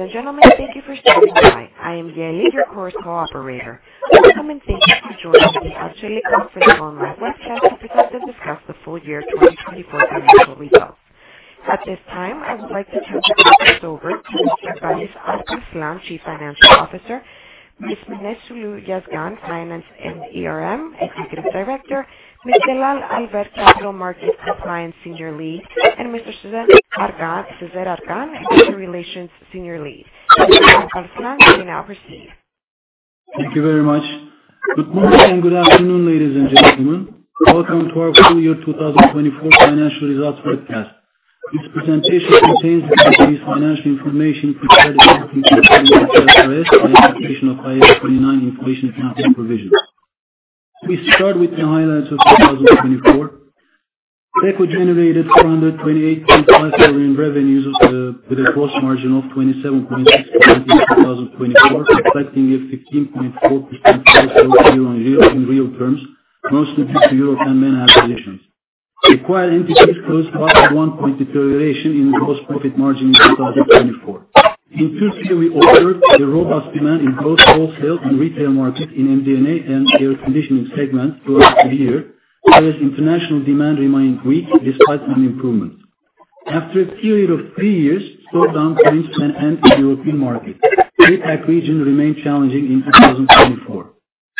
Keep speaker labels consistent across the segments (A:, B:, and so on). A: And gentlemen, thank you for standing by. I am Yeliz, your host coordinator. Welcome and thank you for joining the Arçelik Conference online webcast to present and discuss the full year 2024 financial results. At this time, I would like to turn the conference over to Mr. Barış Alparslan, Arçelik's CFO, Ms. Mine Şule Yazgan, Finance and Executive Director, Ms. Celal Aliş, Capital Markets Compliance Senior Lead, and Mr. Sezer Ercan, Investor Relations Senior Lead. Mr. Barış Alparslan, you may now proceed.
B: Thank you very much. Good morning and good afternoon, ladies and gentlemen. Welcome to our full year 2024 financial results webcast. This presentation contains the company's financial information prepared according to the current IFRS and application of IAS 29 Inflation Accounting Provisions. We start with the highlights of 2024. Beko generated 428.5 million revenues with a gross margin of 27.6% in 2024, reflecting a 15.4% gross sales year-on-year in real terms, mostly due to European MDA acquisitions. Acquired entities closed above 1.2 trillion in gross profit margin in 2024. In Turkey, we observed a robust demand in both wholesale and retail markets in MDA and air conditioning segments throughout the year, whereas international demand remained weak despite some improvements. After a period of three years, slowdown commenced and ended in the European market. APAC region remained challenging in 2024.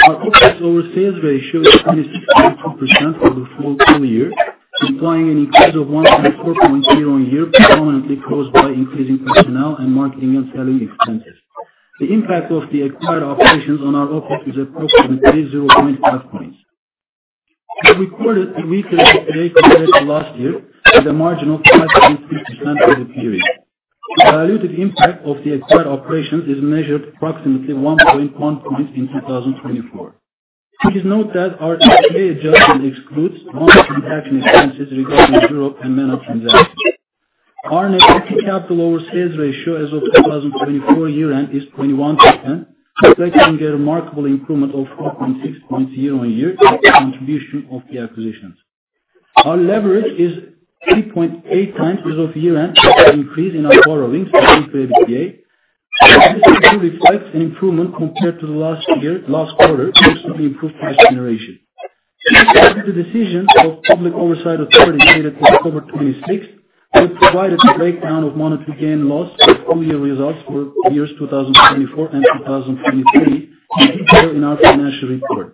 B: Our OPEX over sales ratio is 26.2% for the full year, implying an increase of 1.4 point year-on-year, predominantly caused by increasing personnel and marketing and selling expenses. The impact of the acquired operations on our OPEX is approximately 0.5 points. We recorded a weaker EBITDA compared to last year, with a margin of 5.3% for the period. The diluted impact of the acquired operations is measured approximately 1.1 points in 2024. Please note that our EBITDA adjustment excludes non-transaction expenses regarding Europe and main transactions. Our net equity capital over sales ratio as of 2024 year-end is 21%, reflecting a remarkable improvement of 4.6 point year-on-year in the contribution of the acquisitions. Our leverage is 3.8 times as of year-end, with an increase in our borrowings, including EBITDA. This figure reflects an improvement compared to last quarter, mostly improved cash generation. We started the decision of Public Oversight Authority dated October 26, and provided a breakdown of monetary gain and loss of full year results for years 2024 and 2023 in our financial report.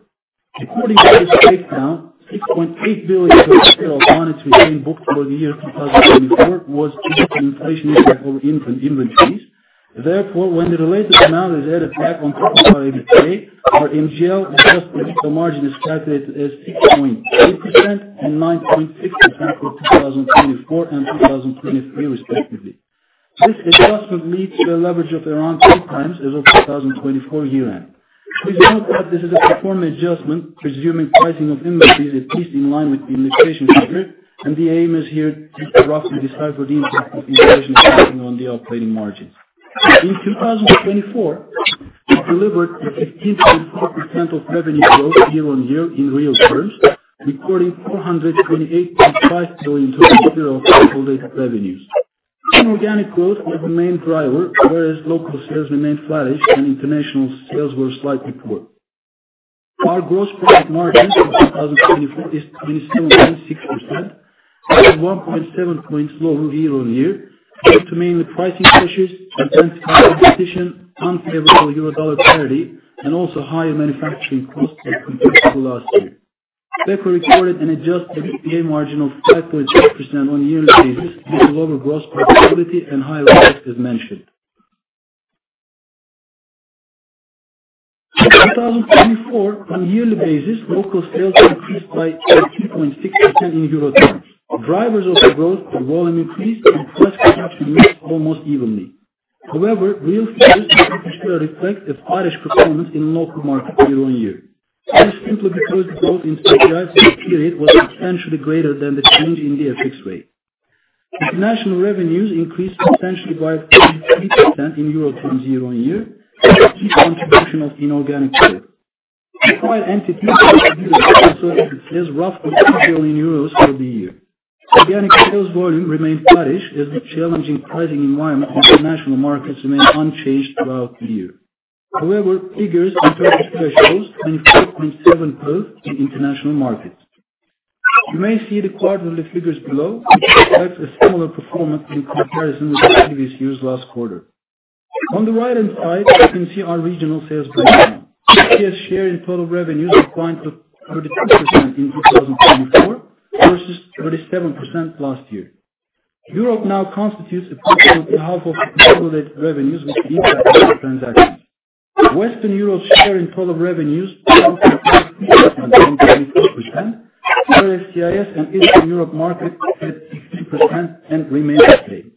B: According to this breakdown, TRY 6.8 billion per quarter of monetary gain booked for the year 2024 was due to inflation impact over inventories. Therefore, when the related amount is added back on top of our EBITDA, our Monetary Gain and Loss adjusted margin is calculated as 6.8% and 9.6% for 2024 and 2023, respectively. This adjustment leads to a leverage of around three times as of 2024 year-end. Please note that this is a performed adjustment, presuming pricing of inventories at least in line with the inflation figure, and the aim is here to roughly decipher the impact of inflation impacting on the operating margins. In 2024, we delivered a 15.4% of revenue growth year-on-year in real terms, recording 428.5 billion total of consolidated revenues. Inorganic growth was the main driver, whereas local sales remained flattish and international sales were slightly poor. Our gross profit margin for 2024 is 27.6%, which is 1.7 points lower year-on-year, due to mainly pricing pressures, intense competition, unfavorable euro/dollar parity, and also higher manufacturing costs as compared to last year. The company recorded an adjusted EBITDA margin of 5.6% on a yearly basis, due to lower gross profitability and higher OPEX as mentioned. In 2024, on a yearly basis, local sales increased by 18.6% in euro terms. Drivers of the growth were volume increase and price contraction mixed almost evenly. However, real figures in particular reflect the flattish performance in local markets year-on-year. This is simply because the growth in specialized sales period was substantially greater than the change in the FX rate. International revenues increased substantially by 0.3% in euro terms year-on-year, with a key contribution of inorganic growth. Acquired entities contributed to the sales of roughly 3 billion euros for the year. Organic sales volume remained flattish as the challenging pricing environment in international markets remained unchanged throughout the year. However, figures encouraged fresh growth, 24.7% growth in international markets. You may see the quarterly figures below, which reflects a similar performance in comparison with the previous year's last quarter. On the right-hand side, you can see our regional sales breakdown. EMEA share in total revenues declined to 32% in 2024 versus 37% last year. Europe now constitutes approximately half of the consolidated revenues, which impacts all transactions. Western Europe's share in total revenues was 33%, down 24%, whereas CIS and Eastern Europe markets had 16% and remained at that rate.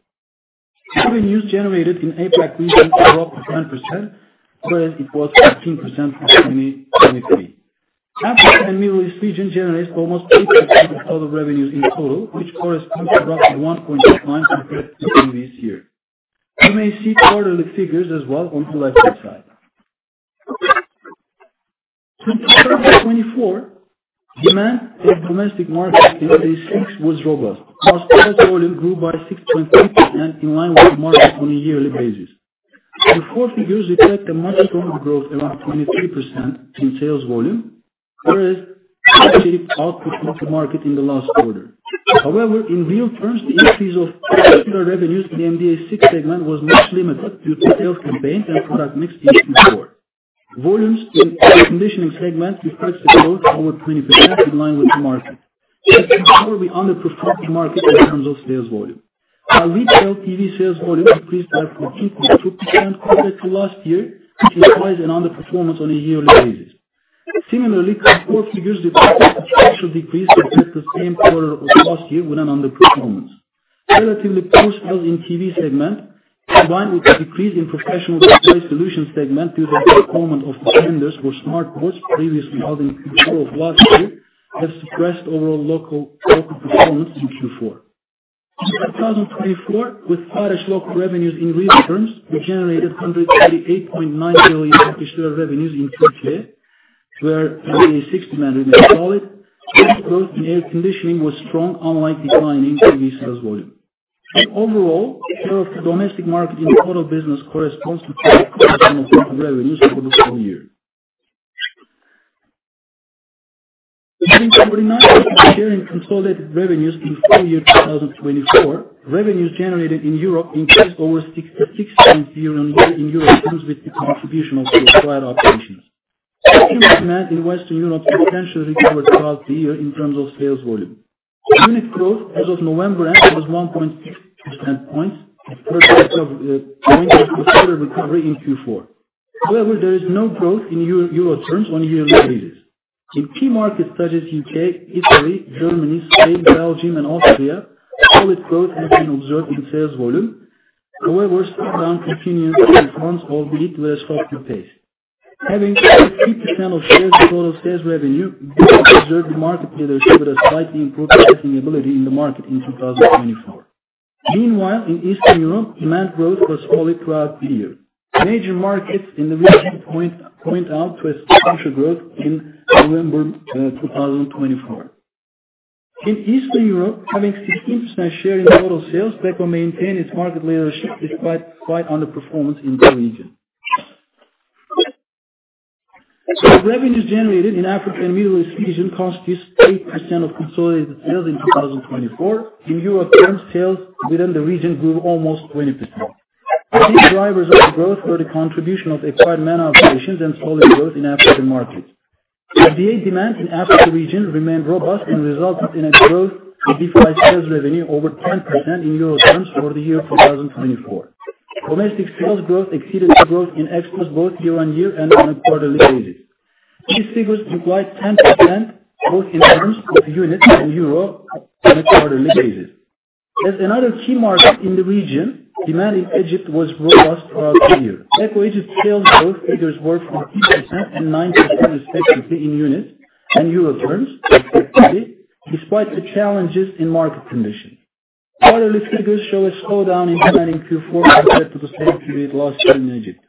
B: Revenues generated in APAC region dropped to 10%, whereas it was 15% in 2023. Africa and Middle East region generates almost 8% of total revenues in total, which corresponds to roughly 1.29% between these years. You may see quarterly figures as well on the left-hand side. In 2024, demand of domestic markets in the MDA6 was robust. Our total volume grew by 6.3% in line with the market on a yearly basis. The Q4 figures reflect a much stronger growth, around 23% in sales volume, whereas the output of the market in the last quarter. However, in real terms, the increase of particular revenues in the MDA 6 segment was much limited due to sales campaigns and product mix in Q4. Volumes in air conditioning segment reflects a growth toward 20% in line with the market. In Q4, we underperformed the market in terms of sales volume. Our retail TV sales volume increased by 14.2% compared to last year, which is twice an underperformance on a yearly basis. Similarly, Q4 figures reflect a substantial decrease compared to the same quarter of last year with an underperformance. Relatively poor sales in TV segment, combined with a decrease in professional supply solution segment due to the performance of the tenders for smart boards previously held in Q4 of last year, have suppressed overall local performance in Q4. In 2024, with flattish local revenues in real terms, we generated 138.9 billion revenues in Q2, where MDA6 demand remained solid. Net growth in air conditioning was strong, unlike declining TV sales volume. Overall, the share of the domestic market in total business corresponds to 30% of total revenues for the full year. Using the organic share in consolidated revenues in full year 2024, revenues generated in Europe increased over 66.0% year-on-year in euro terms with the contribution of the acquired operations. Consumer demand in Western Europe substantially recovered throughout the year in terms of sales volume. Unit growth as of November end was 1.6 percentage points, a further recovery in Q4. However, there is no growth in euro terms on a yearly basis. In key markets such as the UK, Italy, Germany, Spain, Belgium, and Austria, solid growth has been observed in sales volume. However, slowdown continues to confront all the leaders of the pack. Having 50% share in total sales revenue, we observed market leadership with a slightly improved selling ability in the market in 2024. Meanwhile, in Eastern Europe, demand growth was solid throughout the year. Major markets in the region pointed to substantial growth in November 2024. In Eastern Europe, having 16% share in total sales, Beko maintained its market leadership despite underperformance in the region. Revenues generated in Africa and Middle East region accounted for 8% of consolidated sales in 2024. In euro terms, sales within the region grew almost 20%. Key drivers of the growth were the contribution of acquired main operations and solid growth in African markets. Defy demand in Africa region remained robust and resulted in growth in Defy sales revenue over 10% in euro terms for the year 2024. Domestic sales growth exceeded the growth in exports both year-on-year and on a quarterly basis. These figures implied 10% growth in terms of units in euro on a quarterly basis. As another key market in the region, demand in Egypt was robust throughout the year. Beko Egypt sales growth figures were from 8% and 9% respectively in units and euro terms respectively, despite the challenges in market conditions. Quarterly figures show a slowdown in demand in Q4 compared to the same period last year in Egypt.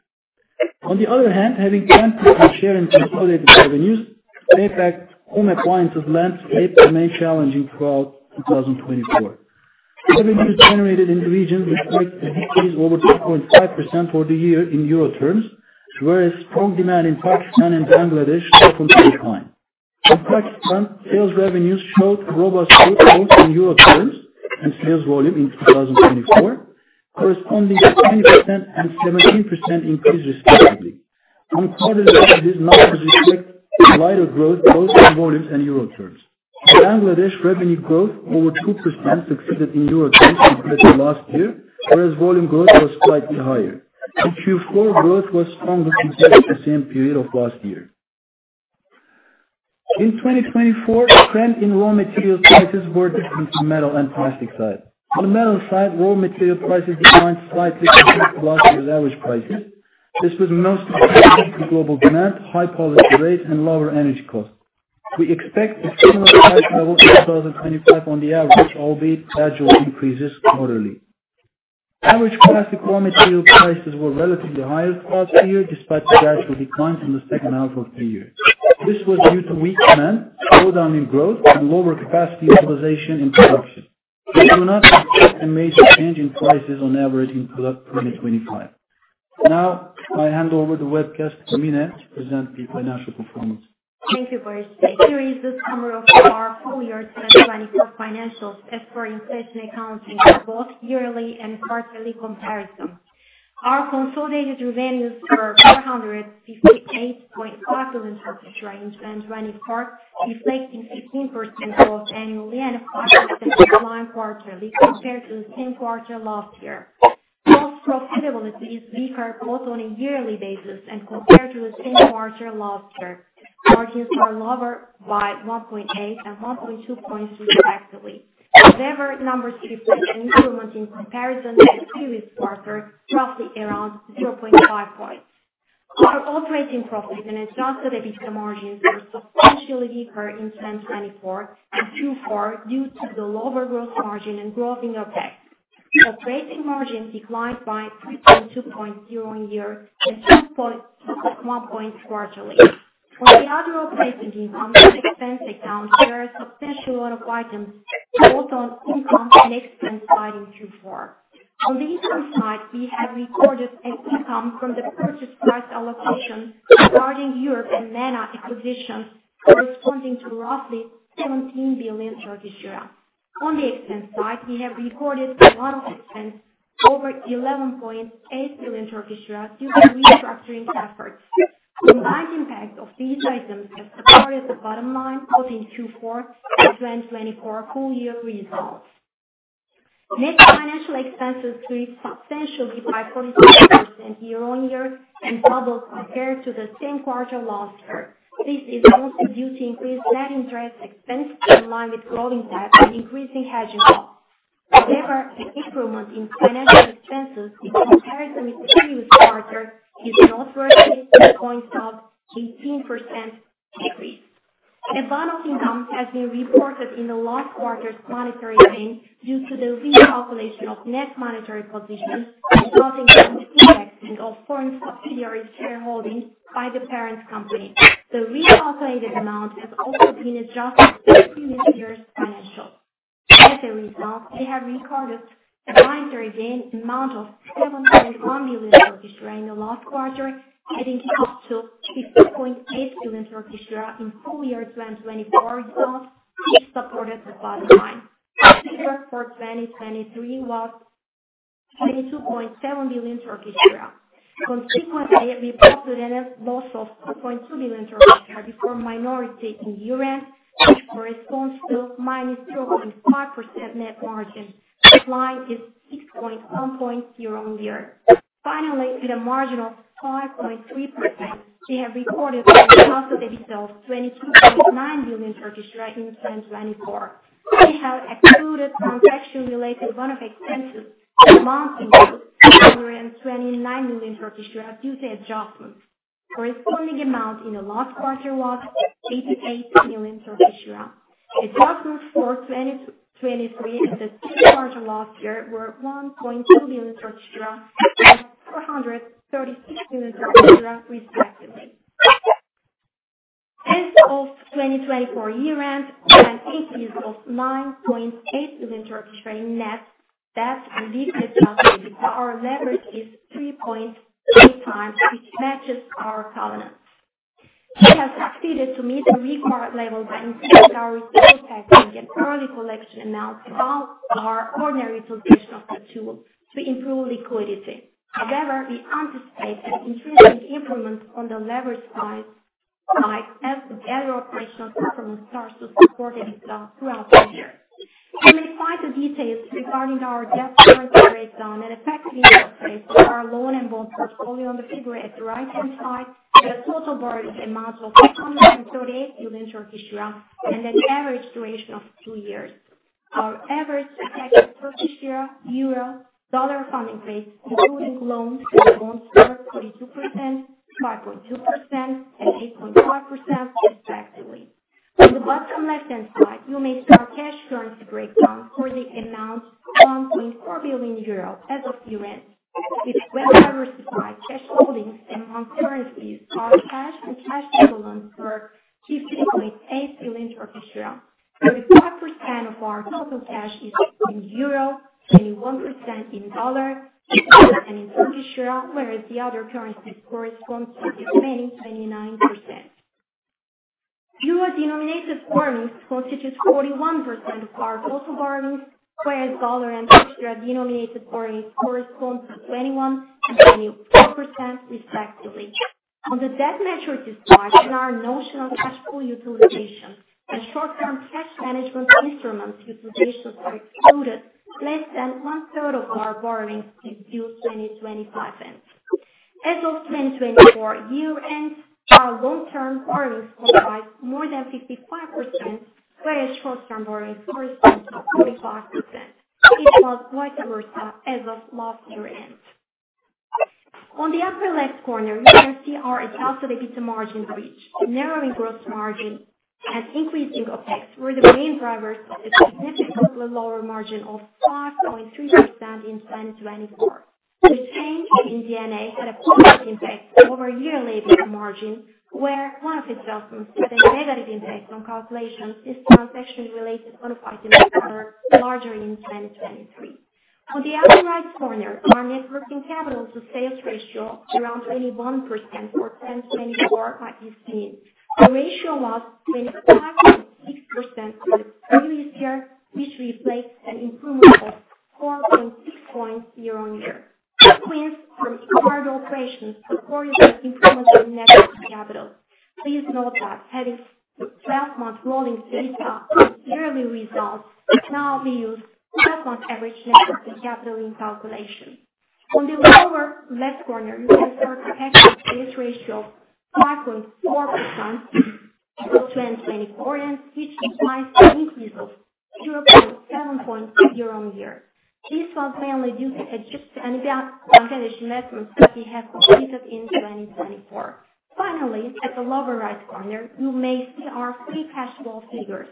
B: On the other hand, having 10% share in consolidated revenues, APAC home appliances landscape remained challenging throughout 2024. Revenues generated in the region reflect a decrease over 2.5% for the year in euro terms, whereas strong demand in Pakistan and Bangladesh showed some decline. In Pakistan, sales revenues showed robust growth both in euro terms and sales volume in 2024, corresponding to 20% and 17% increase respectively. On quarterly basis, numbers reflect lighter growth both in volumes and euro terms. In Bangladesh, revenue growth over 2% succeeded in euro terms compared to last year, whereas volume growth was slightly higher. In Q4, growth was stronger compared to the same period of last year. In 2024, trend in raw material prices were different from metal and plastic side. On the metal side, raw material prices declined slightly compared to last year's average prices. This was mostly due to global demand, high policy rates, and lower energy costs. We expect a similar price level in 2025 on the average, albeit gradual increases quarterly. Average plastic raw material prices were relatively higher throughout the year despite the gradual decline in the second half of the year. This was due to weak demand, slowdown in growth, and lower capacity utilization in production. We do not expect a major change in prices on average in 2025. Now, I hand over the webcast to Mine to present the financial performance.
C: Thank you, Barış. Here is the summary of our full year 2024 financials as per inflation accounting for both yearly and quarterly comparisons. Our consolidated revenues were 458.5 billion in 2024, reflecting 15% growth annually and 5% decline quarterly compared to the same quarter last year. Gross profitability is weaker both on a yearly basis and compared to the same quarter last year. Margins are lower by 1.8 and 1.2 points respectively. However, numbers showed an improvement in comparison to the previous quarter, roughly around 0.5 points. Our operating profit and adjusted EBITDA margins were substantially weaker in 2024 and Q4 due to the lower gross margin and growth in OPEX. Operating margin declined by 3.2 points year-on-year and 2.1 points quarterly. On the other operating income, expense account shares substantial amount of items both on income and expense side in Q4. On the income side, we have recorded an income from the purchase price allocation regarding Europe and main acquisitions, corresponding to roughly 17 billion euro. On the expense side, we have recorded a lot of expense over 11.8 billion euro due to restructuring efforts. The combined impact of these items has supported the bottom line both in Q4 and 2024 full year results. Net financial expenses grew substantially by 46% year-on-year and doubled compared to the same quarter last year. This is mostly due to increased net interest expense in line with growing debt and increasing hedging costs. However, the improvement in financial expenses in comparison with the previous quarter is noteworthy, a point of 18% decrease. A bottom income has been reported in the last quarter's monetary gain due to the recalculation of net monetary position resulting from the indexing of foreign subsidiaries' shareholding by the parent company. The recalculated amount has also been adjusted to the previous year's financials. As a result, we have recorded a monetary gain in the amount of EUR 7.1 billion in the last quarter, adding up to EUR 15.8 billion in full year 2024 results, which supported the bottom line. The figure for 2023 was EUR 22.7 billion. Consequently, we posted a net loss of EUR 2.2 billion before minority in year-end, which corresponds to minus 0.5% net margin. Decline is 6.1 points year-on-year. Finally, with a margin of 5.3%, we have recorded an Adjusted EBITDA of EUR 22.9 billion in 2024. We have excluded transaction-related one-off expenses amounting to 229 billion due to adjustments. Corresponding amount in the last quarter was 88 billion EUR. Adjustments for 2023 and the same quarter last year were 1.2 billion and 436 billion respectively. As of 2024 year-end, we had increased of 9.8 billion EUR in net debt and leakage adjustments. Our leverage is 3.3 times, which matches our covenants. We have succeeded to meet the required level by increasing our factoring and early collection amounts above our ordinary utilization of the tool to improve liquidity. However, we anticipate an intrinsic improvement on the leverage side as the other operational performance starts to support EBITDA throughout the year. You may find the details regarding our debt currency breakdown and effective interest rates for our loan and bond portfolio on the figure at the right-hand side with a total borrowing amount of 238 billion EUR and an average duration of two years. Our average effective EUR/USD funding rate, including loans and bonds, were 42%, 5.2%, and 8.5% respectively. On the bottom left-hand side, you may see our cash currency breakdown for the amount 1.4 billion euro as of year-end. With well-diversified cash holdings among currencies, our cash and cash equivalents were EUR 50.8 billion. 35% of our total cash is in EUR, 21% in USD, EUR, and in EUR, whereas the other currencies correspond to the remaining 29%. Euro denominated borrowings constitute 41% of our total borrowings, whereas USD and EUR denominated borrowings correspond to 21% and 24% respectively. On the debt matrix side, in our notional cash pool utilization, the short-term cash management instruments utilizations are excluded. Less than one-third of our borrowings is due 2025 end. As of 2024 year-end, our long-term borrowings comprise more than 55%, whereas short-term borrowings correspond to 45%. It was vice versa as of last year-end. On the upper left corner, you can see our adjusted EBITDA margin reach, narrowing gross margin, and increasing OPEX were the main drivers of a significantly lower margin of 5.3% in 2024. The change in DNA had a positive impact over yearly EBITDA margin, where one of its adjustments had a negative impact on calculations is transaction-related one-off items that are larger in 2023. On the upper right corner, our net working capital to sales ratio of around 21% for 2024 might be seen. The ratio was 25.6% for the previous year, which reflects an improvement of 4.6 points year-on-year. The wins from the quarter operations were core improvements in net working capital. Please note that having the 12-month rolling data in the yearly results, now we use 12-month average net working capital in calculation. On the lower left corner, you can see our per capita sales ratio of 5.4% for 2024 end, which implies an increase of 0.7 point year-on-year. This was mainly due to adjusted and advantageous investments that we have completed in 2024. Finally, at the lower right corner, you may see our free cash flow figures.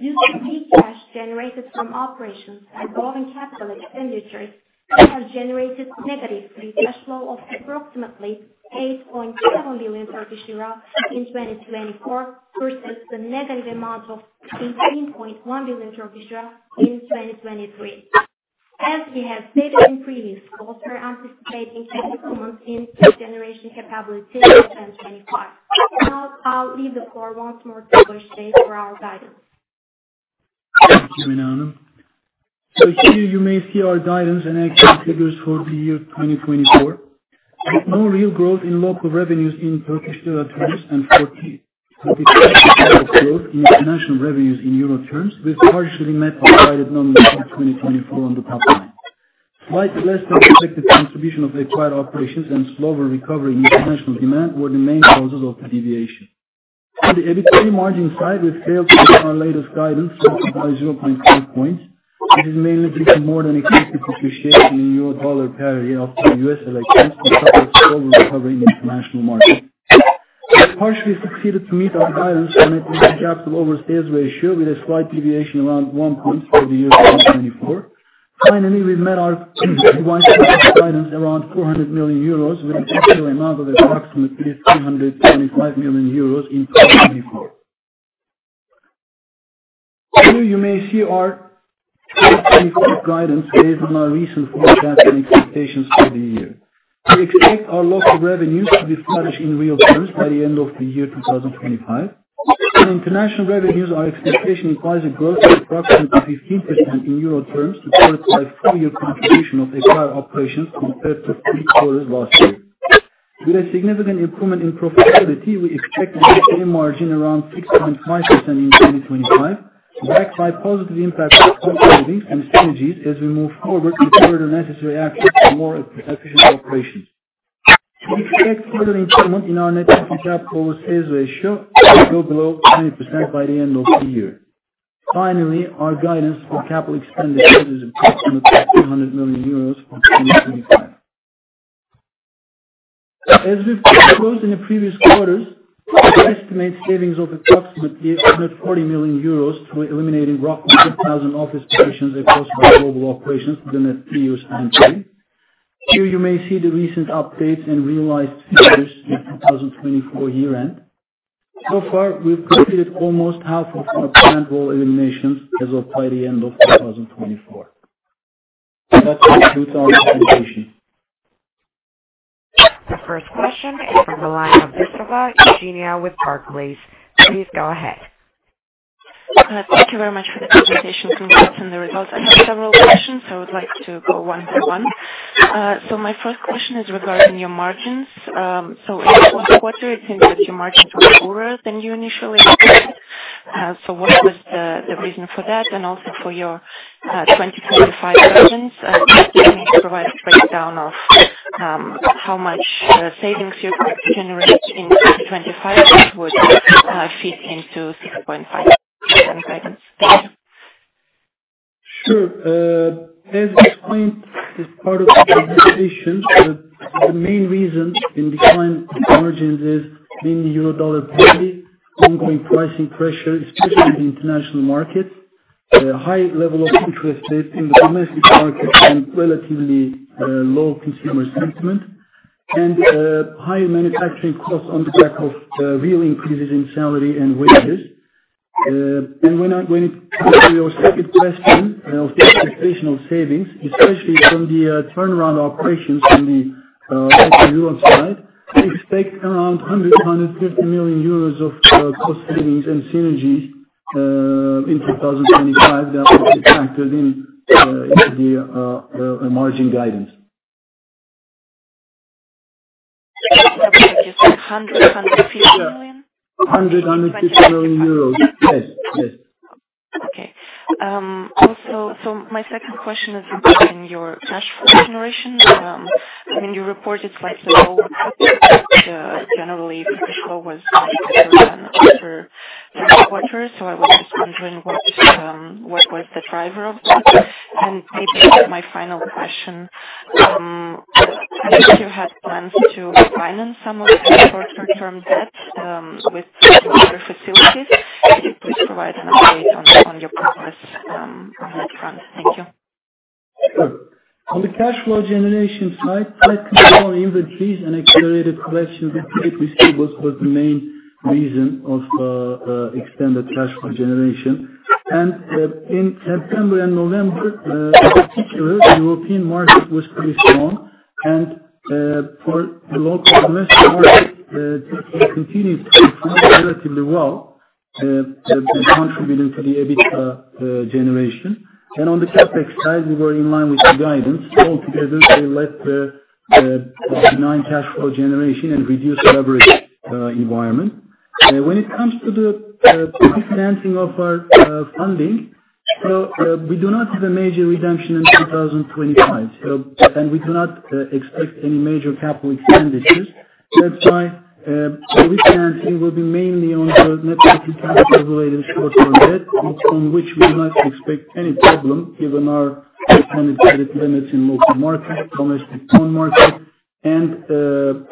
C: Due to free cash generated from operations and higher capital expenditures, we have generated negative free cash flow of approximately EUR 8.7 billion in 2024 versus the negative amount of EUR 18.1 billion in 2023. As we have stated in previous quarter, anticipating an improvement in cash generation capability in 2025. Now, I'll leave the floor once more to Barış Alparslan for our guidance.
B: Thank you, Mine Yazgan. So here you may see our guidance and exit figures for the year 2024. With no real growth in local revenues in Turkish EUR terms and 40% growth in international revenues in EUR terms, we partially met the guided number for 2024 on the top line. Slightly less than expected contribution of acquired operations and slower recovery in international demand were the main causes of the deviation. On the EBITDA margin side, we failed to meet our latest guidance, missed by 0.5 points. This is mainly due to more than expected depreciation in EUR/USD parity after the U.S. elections and slightly slower recovery in international markets. We partially succeeded to meet our guidance for net working capital over sales ratio with a slight deviation around one point for the year 2024. Finally, we met our capex guidance around 400 million euros with an actual amount of approximately 325 million euros in 2024. Here you may see our 2024 guidance based on our recent forecast and expectations for the year. We expect our local revenues to flourish in real terms by the end of the year 2025. In international revenues, our expectation implies a growth of approximately 15% in EUR terms, corrected by full year contribution of acquired operations compared to three quarters last year. With a significant improvement in profitability, we expect an EBITDA margin around 6.5% in 2025, backed by positive impact on company holdings and synergies as we move forward with further necessary actions for more efficient operations. We expect further improvement in our net working capital over sales ratio to go below 20% by the end of the year. Finally, our guidance for capital expenditures is approximately 300 million euros for 2025. As we've proposed in the previous quarters, we estimate savings of approximately 140 million euros through eliminating roughly 10,000 office positions across our global operations within the three years ending. Here you may see the recent updates and realized figures in 2024 year-end. So far, we've completed almost half of our planned role eliminations as of by the end of 2024. That concludes our presentation.
A: The first question is from Elena Vystovaya with Barclays. Please go ahead. Thank you very much for the presentation concludes and the results. I have several questions. I would like to go one by one. So my first question is regarding your margins. So in the first quarter, it seems that your margins were poorer than you initially expected. So what was the reason for that? Also for your 2025 guidance, could you provide a breakdown of how much savings you're going to generate in 2025 that would fit into 6.5% guidance? Thank you.
B: Sure. As explained as part of the presentation, the main reason in decline in margins is mainly EUR/USD parity, ongoing pricing pressure, especially in the international markets, a high level of interest rates in the domestic market, and relatively low consumer sentiment, and higher manufacturing costs on the back of real increases in salary and wages. When it comes to your second question of the expectation of savings, especially from the turnaround operations on the EUR side, we expect around 100-150 million euros of cost savings and synergies in 2025 that will be factored into the margin guidance. Thank you. So 100-150 million? EUR 100-150 million. Yes. Yes. Okay. Also, so my second question is regarding your cash flow generation. I mean, you reported slightly lower cash flow, but generally cash flow was 92% after the quarter. So I was just wondering what was the driver of that? And maybe my final question, if you had plans to finance some of the short-term debt with particular facilities, could you please provide an update on your progress on that front? Thank you. Sure. On the cash flow generation side, tight control inventories and accelerated collection, we believe we see was the main reason of extended cash flow generation. And in September and November, in particular, the European market was pretty strong. And for the local domestic market, it continued to perform relatively well, contributing to the EBITDA generation. And on the CapEx side, we were in line with the guidance. Altogether, they left a benign cash flow generation and reduced leverage environment. When it comes to the refinancing of our funding, so we do not have a major redemption in 2025, and we do not expect any major capital expenditures. That's why the refinancing will be mainly on the net working capital-related short-term debt, on which we do not expect any problem given our expanded credit limits in local markets, domestic bond market, and the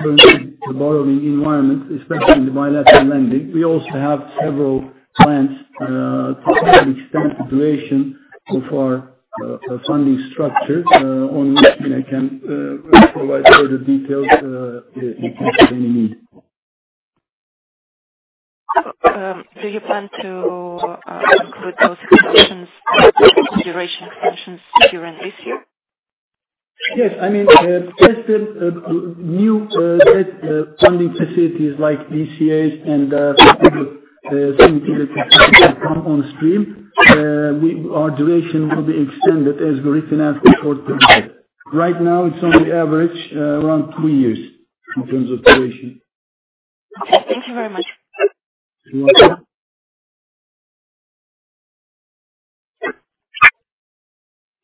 B: short-term borrowing environment, especially in the bilateral lending. We also have several plans to extend the duration of our funding structure, on which Mine Yazgan can provide further details in case of any need. Do you plan to include those expansions, duration expansions year-end this year? Yes. I mean, as the new debt funding facilities like DCAs and other synergies will come on stream, our duration will be extended as we refinance the short-term debt. Right now, it's on the average around two years in terms of duration. Okay. Thank you very much. You're welcome.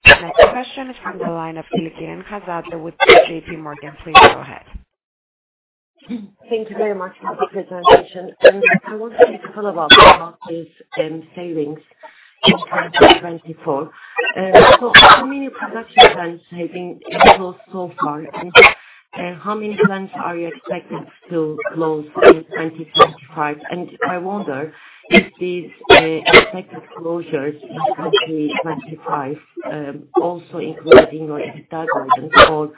A: Next question is from the line of Hanzade Kılıçkıran with JPMorgan. Please go ahead.
D: Thank you very much for the presentation. I want to give a follow-up about these savings in 2024. So how many production plants have been closed so far? And how many plants are you expecting to close in 2025? And I wonder if these expected closures in 2025 also include the EBITDA guidance or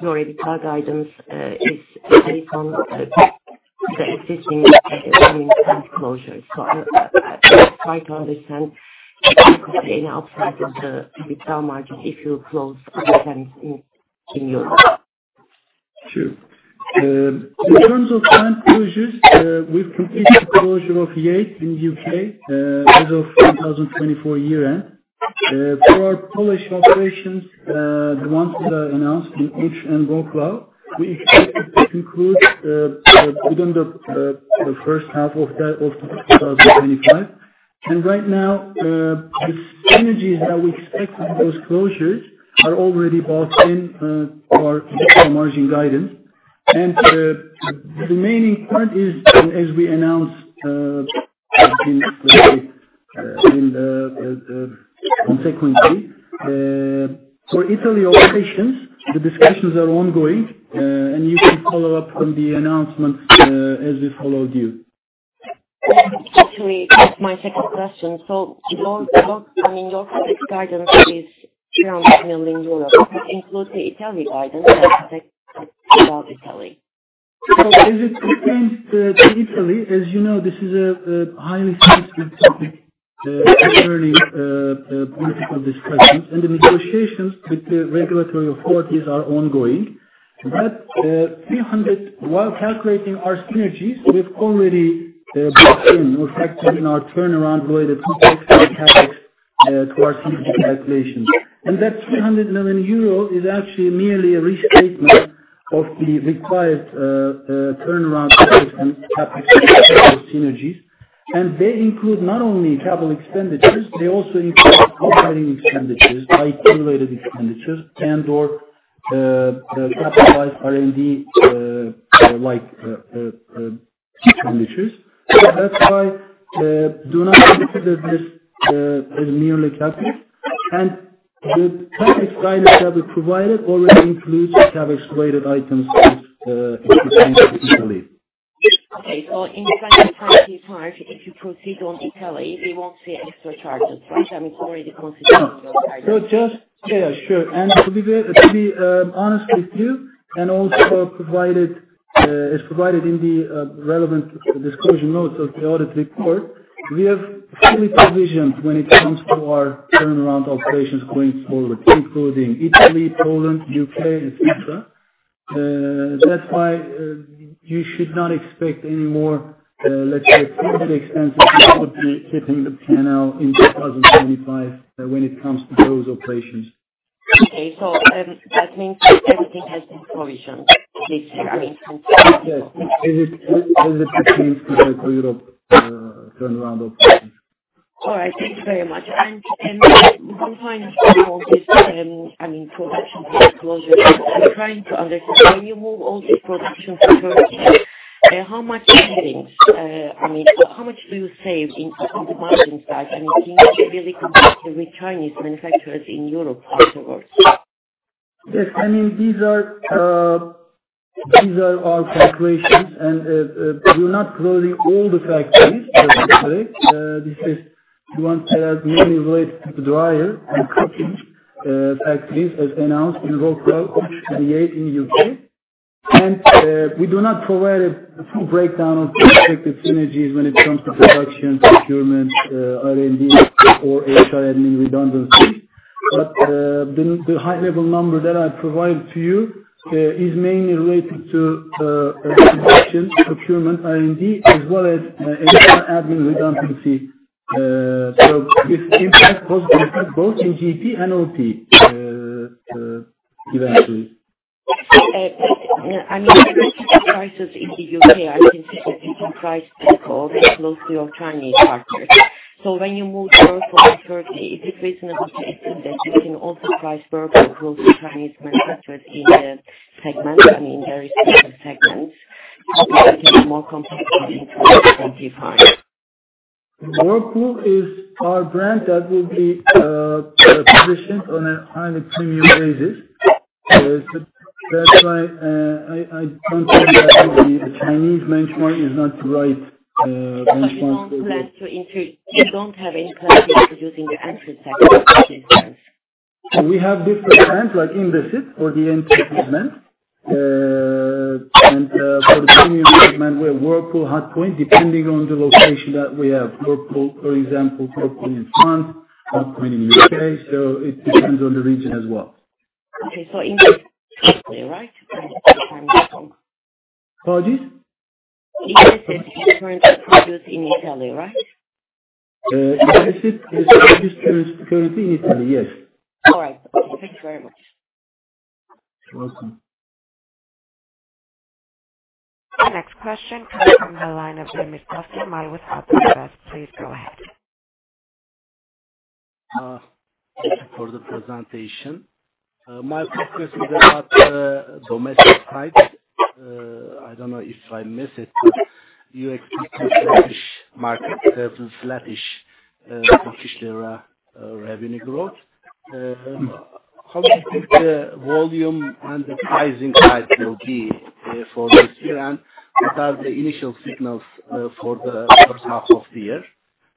D: your EBITDA guidance is based on the existing footprint plan closures. So I would try to understand the impact outside of the EBITDA margin if you close other plants in Europe.
B: Sure. In terms of planned closures, we've completed the closure of Yate in the U.K. as of 2024 year-end. For our Polish operations, the ones that are announced in Łódź and Wrocław, we expect to conclude within the first half of 2025. And right now, the synergies that we expect with those closures are already built into our EBITDA margin guidance. And the remaining part is, as we announced, has been completed in the consequence. For Italy operations, the discussions are ongoing, and you can follow up on the announcements as we follow through.
D: Actually, my second question. So your public guidance is 300 million euros. Does it include the Italy guidance and the take about Italy?
B: So as it pertains to Italy, as you know, this is a highly sensitive topic for current political discussions. And the negotiations with the regulatory authorities are ongoing. But while calculating our synergies, we've already built in or factored in our turnaround-related costs and CapEx to our synergy calculations. That 300 million euro is actually merely a restatement of the required turnaround efforts and CapEx for synergies. And they include not only capital expenditures, they also include operating expenditures, IT-related expenditures, and/or capitalized R&D-like expenditures. So that's why I do not consider this as merely CapEx. And the CapEx guidance that we provided already includes CapEx-related items in compliance with Italy.
D: Okay. So in 2024, if you proceed on Italy, we won't see extra charges, right? I mean, it's already considered in your guidance.
B: So just yeah, sure. And to be honest with you, and also as provided in the relevant disclosure notes of the audit report, we have fully provisioned when it comes to our turnaround operations going forward, including Italy, Poland, UK, etc. That's why you should not expect any more, let's say, extended expenses that would be hitting the P&L in 2025 when it comes to those operations.
D: Okay. So that means everything has been provisioned this year. I mean, since you've been here.
B: Yes. As it pertains to the EU turnaround operations.
D: All right. Thank you very much. And one final thing about this, I mean, production plant closures. I'm trying to understand when you move all these production facilities, how much savings I mean, how much do you save in margins side? I mean, can you really compare the Chinese manufacturers in Europe afterwards?
B: Yes. I mean, these are our calculations. And we're not closing all the factories per se. These are the ones that are mainly related to the dryer and cooking factories, as announced in Wrocław, which are in the UK. And we do not provide a full breakdown of the expected synergies when it comes to production, procurement, R&D, or HR admin redundancies. But the high-level number that I provided to you is mainly related to production, procurement, R&D, as well as HR admin redundancy. So with impact positively both in GP and OP eventually.
D: I mean, the prices in the UK, I can see that you can price Beko very closely with Chinese partners. So when you move Wrocław and Turkey, is it reasonable to assume that you can also price Wrocław close to Chinese manufacturers in the segment? I mean, there are different segments. It would be more competitive in 2025.
B: Wrocław is our brand that will be positioned on a highly premium basis. That's why I don't think that would be a Chinese benchmark is not the right benchmark for.
D: You don't have any plans of introducing the entry segment in this sense?
B: We have different plans like Indesit for the entry segment. And for the premium segment, we have Wrocław, Hotpoint, depending on the location that we have. Wrocław, for example, Hotpoint in France, Hotpoint in the UK. So it depends on the region as well.
D: Okay. So Indesit in Italy, right? I'm confused.
B: Apologies.
D: Indesit is currently produced in Italy, right?
B: Indesit is produced currently in Italy, yes.
D: All right. Thank you very much.
B: You're welcome.
A: The next question comes from the line of [Name unclear], please go ahead. Thank you for the presentation. My focus is about domestic side. I don't know if I missed it. You expect to see a 15% market versus a 15% Turkish lira revenue growth. How do you think the volume and the pricing side will be for this year? What are the initial signals for the first half of the year?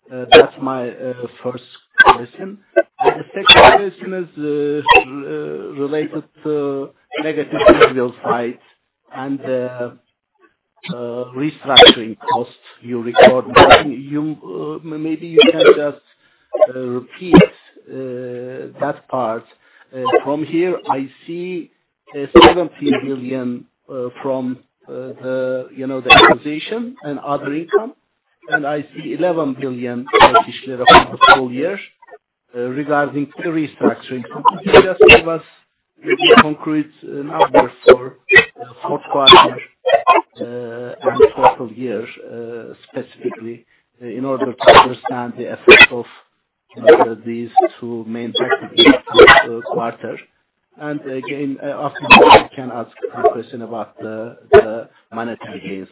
A: That's my first question. The second question is related to negative monetary side and the restructuring costs you record. Maybe you can just repeat that part. From here, I see 17 billion from the acquisition and other income. I see 11 billion for the full year regarding the restructuring. Could you just give us a concrete number for the fourth quarter and the total year specifically in order to understand the effect of these two main factors in the quarter? Again, after this, we can ask you a question about the monetary gain.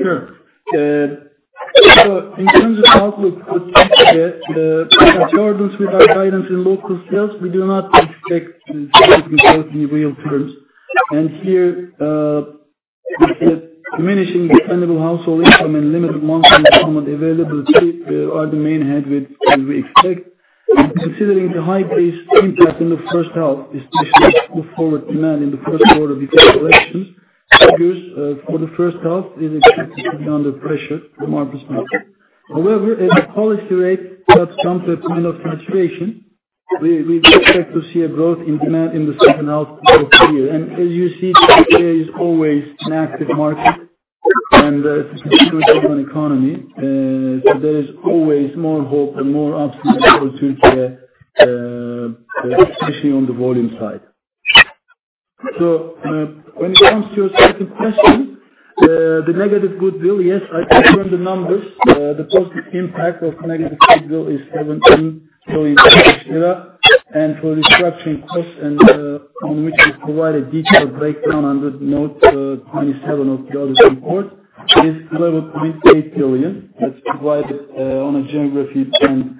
B: Sure. In terms of outlook for the future, in accordance with our guidance in local sales, we do not expect significant growth in real terms. Here, we see a diminishing dependable household income and limited monthly employment availability are the main headwinds we expect. Considering the high base impact in the first half, especially the forward demand in the first quarter before elections, figures for the first half are expected to be under pressure from our perspective. However, as the policy rate starts to come to a point of saturation, we expect to see a growth in demand in the second half of the year. As you see, Turkey is always an active market and a constituent of an economy. There is always more hope and more options for Turkey, especially on the volume side. When it comes to your second question, the negative goodwill, yes, I confirm the numbers. The positive impact of negative goodwill is 17 billion. And for restructuring costs, on which we provide a detailed breakdown under note 27 of the audit report, it is 11.8 billion. That's provided on a geography and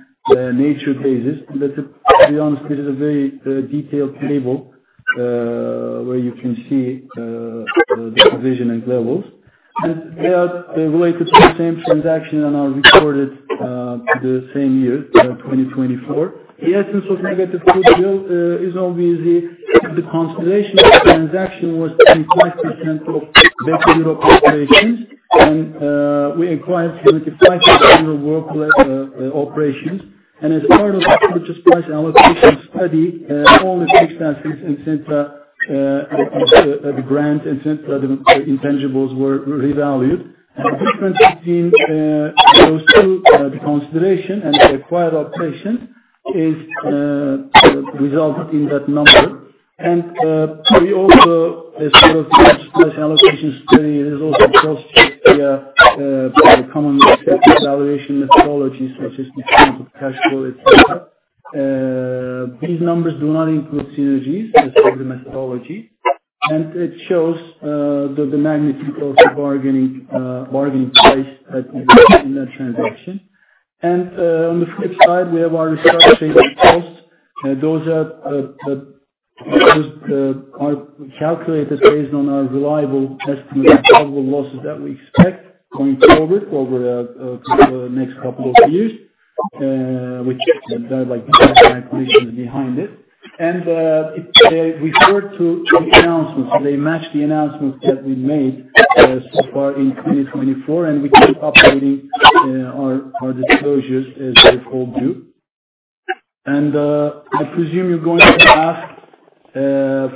B: nature basis. And to be honest, this is a very detailed table where you can see the provision and levels. And they are related to the same transaction and are recorded the same year, 2024. The essence of negative goodwill is obviously the consideration of transaction was 25% of Beko Europe operations, and we acquired 75% of Wrocław operations. And as part of the purchase price allocation study, all the fixed assets, etc., the grants, etc., the intangibles were revalued. And the difference between those two, the consideration and the acquired operations, has resulted in that number. And we also, as part of the purchase price allocation study, have also cross-checked the common revaluation methodologies such as discounted cash flow, etc. These numbers do not include synergies as part of the methodology. And it shows the magnitude of the bargaining price that you get in that transaction. And on the flip side, we have our restructuring costs. Those are calculated based on our reliable estimate of probable losses that we expect going forward over the next couple of years, which are like the background conditions behind it. And they refer to the announcements. They match the announcements that we made so far in 2024, and we keep updating our disclosures as they fall due. And I presume you're going to ask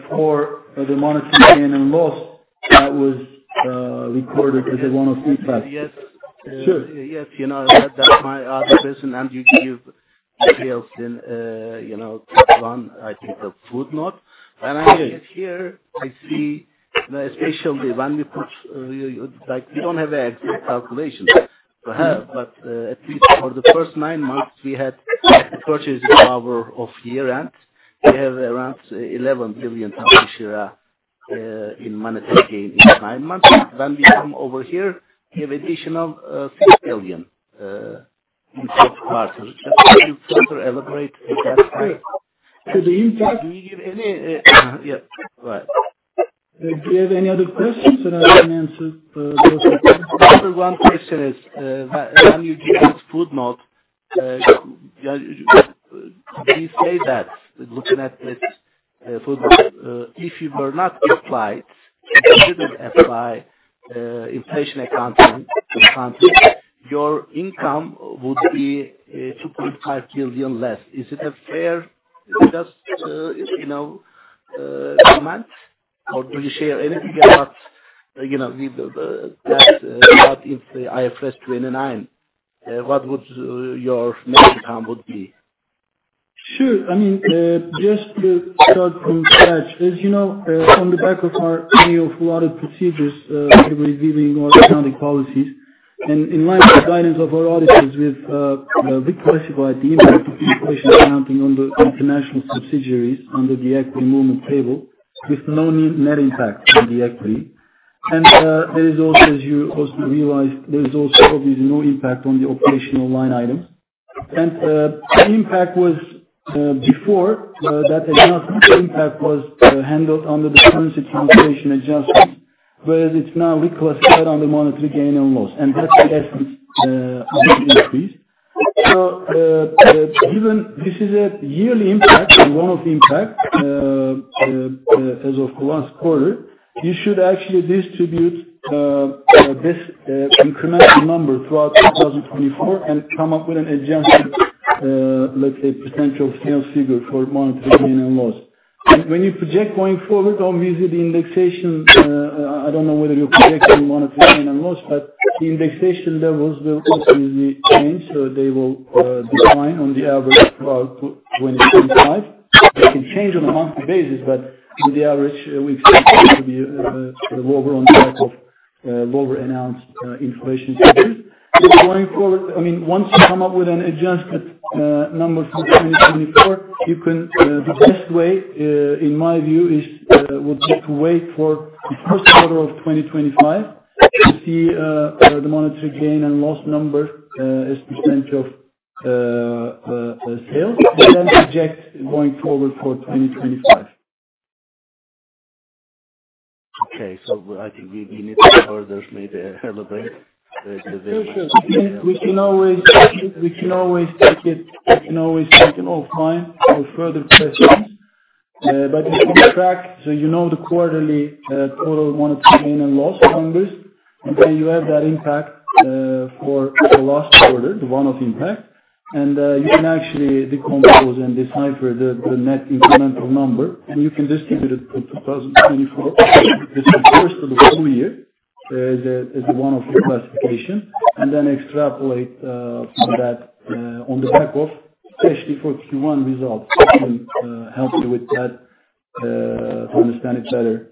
B: for the monetary gain and loss that was recorded as one of the facts. Yes. Sure. Yes. That's my other question. And you've given details in, one, I think, the footnote. And I think here, I see, especially when we put we don't have an exact calculation. We have, but at least for the first nine months, we had purchasing power of year-end. We have around 11 billion in monetary gain in nine months. When we come over here, we have an additional 6 billion in fourth quarter. Just to further elaborate on that side. So the impact, do you give any? Right. Do you have any other questions that I can answer those? The other one question is, when you give this footnote, do you say that looking at this footnote, if you were not applied, if you didn't apply inflation accounting, your income would be 2.5 billion less. Is it a fair just comment? Or do you share anything about that in the IFRS 2009? What would your net income be? Sure. I mean, just to start from scratch, as you know, on the back of many of our audit procedures, we're reviewing our accounting policies, and in line with the guidance of our auditors, we've reclassified the income to inflation accounting on the international subsidiaries under the equity movement table, with no net impact on the equity. And there is also, as you also realized, there is also obviously no impact on the operational line items, and the impact was before that adjustment. The impact was handled under the currency computation adjustment, whereas it's now reclassified under monetary gain and loss, and that's the essence of the increase. So given this is a yearly impact, one-off impact as of the last quarter, you should actually distribute this incremental number throughout 2024 and come up with an adjusted, let's say, percentage of sales figure for monetary gain and loss. When you project going forward, obviously, the indexation I don't know whether you're projecting monetary gain and loss, but the indexation levels will obviously change. They will decline on the average throughout 2025. They can change on a monthly basis, but on the average, we expect them to be lower on the type of lower announced inflation figures. Going forward, I mean, once you come up with an adjusted number for 2024, you can the best way, in my view, is to wait for the first quarter of 2025 to see the monetary gain and loss numbers as % of sales, and then project going forward for 2025. Okay. I think we need to further maybe elaborate the very question. Sure. Sure. We can always take it offline for further questions. You can track so you know the quarterly total monetary gain and loss numbers. And then you have that impact for the last quarter, the one-off impact. And you can actually decompose and decipher the net incremental number. And you can distribute it to 2024, the first of the full year, as one-off reclassification, and then extrapolate from that on the back of especially for Q1 results. It can help you with that to understand it better.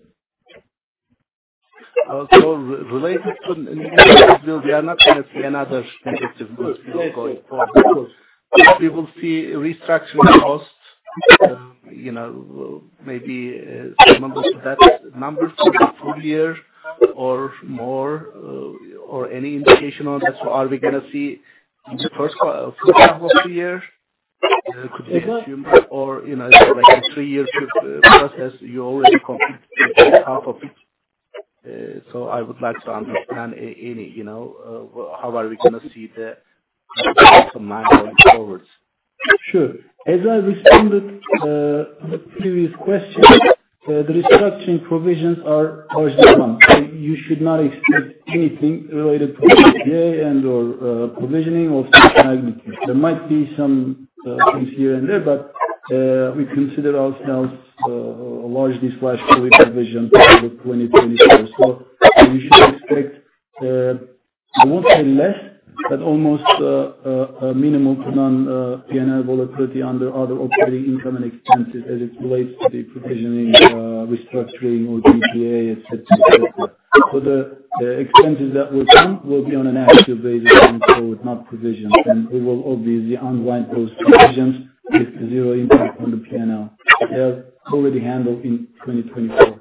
B: Also, related to the income and goodwill, we are not going to see another incentive going forward. We will see restructuring costs, maybe some numbers to that number for the full year or more, or any indication on that. Are we going to see in the first quarter, first half of the year? Could be assumed. Or is it like a three-year process? You already completed the first half of it. I would like to understand how we are going to see the bottom line going forward. Sure. As I responded to the previous question, the restructuring provisions are large income. So you should not expect anything related to the PPA and/or provisioning of such magnitude. There might be some things here and there, but we have taken a large one-off COVID provision for 2024. So you should expect I won't say less, but almost minimal to none P&L volatility under other operating income and expenses as it relates to the provisioning, restructuring, or PPA, etc. So the expenses that will come will be on an accrual basis going forward, not provisions. And we will obviously unwind those provisions with the zero impact on the P&L. They are already handled in 2024.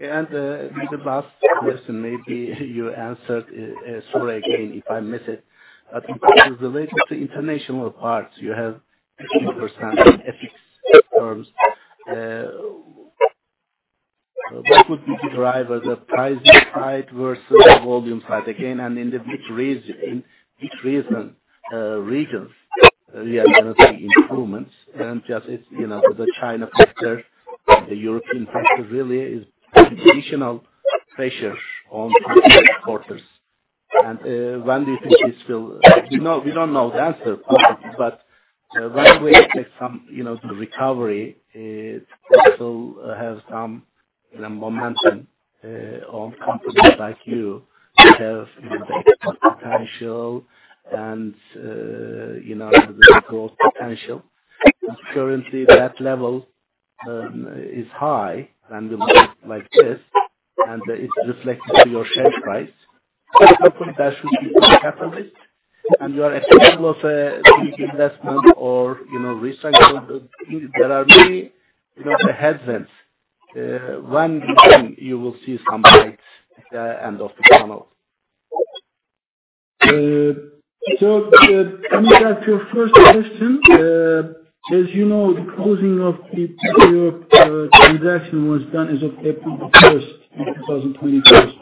B: And the last question, maybe you answered it already if I missed it. But related to international parts, you have 50% in FX terms. What would be the driver, the pricing side versus the volume side? Again, and in which regions we are going to see improvements? And just the China factor, the European factor really is additional pressure on exporters. And when do we expect the recovery to have some momentum on companies like you that have the export potential and the growth potential? Currently, that level is high when we look at it like this, and it's reflected to your share price. So I think that should be the catalyst. And you are at the level of a big investment or restructuring. There are many headwinds. When do you think you will see some light at the end of the tunnel? So to answer your first question, as you know, the closing of the Beko Europe transaction was done as of April 1st in 2024.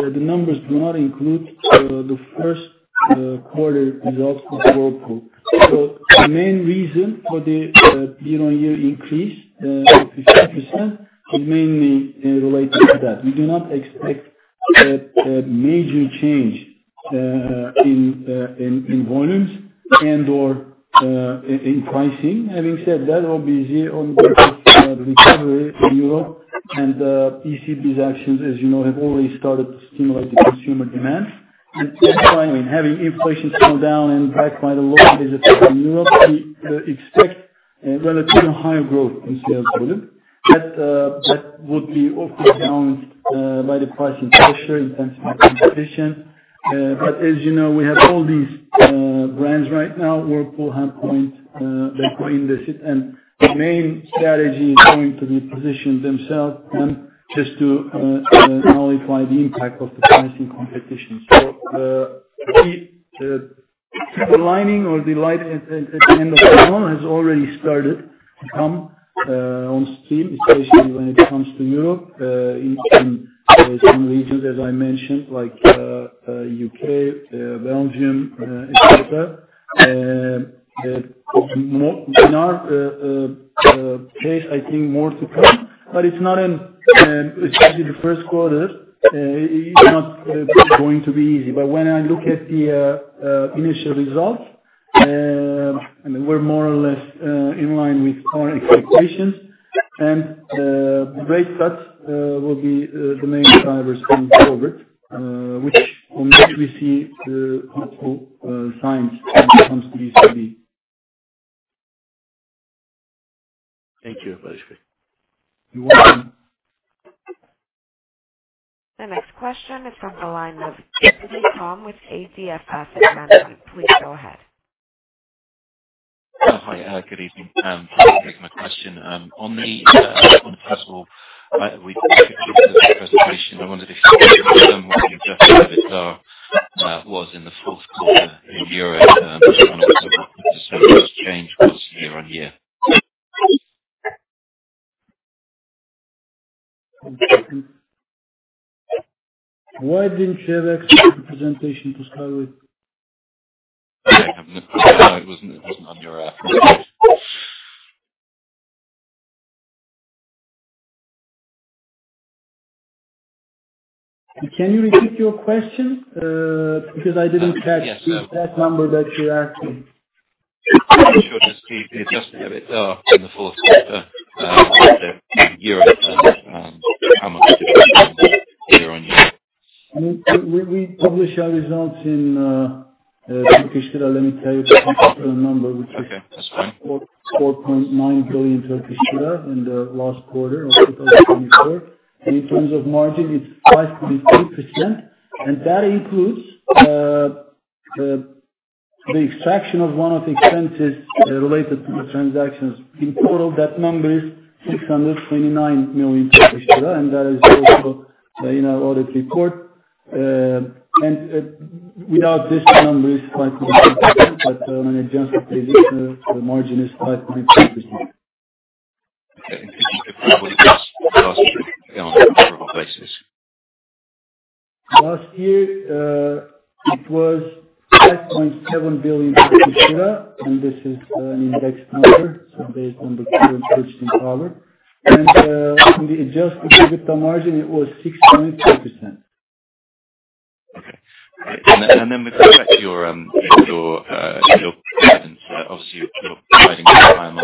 B: So the numbers do not include the first quarter results of Whirlpool. So the main reason for the year-on-year increase of 50% is mainly related to that. We do not expect a major change in volumes and/or in pricing. Having said that, obviously, on the recovery in Europe, and ECB's actions, as you know, have already started to stimulate the consumer demand. And that's why, I mean, having inflation slow down and backed by the lower legislation in Europe, we expect relatively higher growth in sales volume. That would be, of course, balanced by the pricing pressure in terms of competition. But as you know, we have all these brands right now, Whirlpool, Hotpoint, Beko Indesit, and the main strategy is going to be position themselves. Then just to nullify the impact of the pricing competition. So the silver lining or the light at the end of the tunnel has already started to come on stream, especially when it comes to Europe, in some regions, as I mentioned, like the UK, Belgium, etc. In our case, I think more to come. But it's not, especially the first quarter, it's not going to be easy. But when I look at the initial results, I mean, we're more or less in line with our expectations. And rate cuts will be the main drivers going forward, which we see the hopeful signs when it comes to ECB. Thank you, Barış. You're welcome.
A: The next question is from the line of [Unclear Name] with Ata Asset Management. Please go ahead.
E: Hi. Good evening. Thank you for taking my question. On the first quarter, we did a presentation. I wondered if you could confirm what the injection of XR[EBITDA] was in the fourth quarter in Europe and just trying to understand what the incentives change once year-on-year.
B: Why didn't you have an excellent presentation to start with?
E: Yeah. It wasn't on your presentation.
B: Can you repeat your question? Because I didn't catch that number that you asked me.
E: Sure. Just the adjustment of XR in the fourth quarter in Europe and how much it was in year-on-year.
B: We publish our results in Turkish lira. Let me tell you the number, which is TRY 4.9 billion in the last quarter of 2024. In terms of margin, it's 5.3%, and that includes the extraction of one-off expenses related to the transactions. In total, that number is 629 million, and that is also in our audit report. Without this, the number is 5.3%, but on an adjusted basis, the margin is 5.3%.
E: Okay. If we look at last year on a quarter-by-quarter basis?
B: Last year, it was 5.7 billion, and this is an indexed number, so based on the current purchasing power. On the adjusted EBITDA margin, it was 6.3%.
E: Okay. With respect to your guidance, obviously, you're providing the final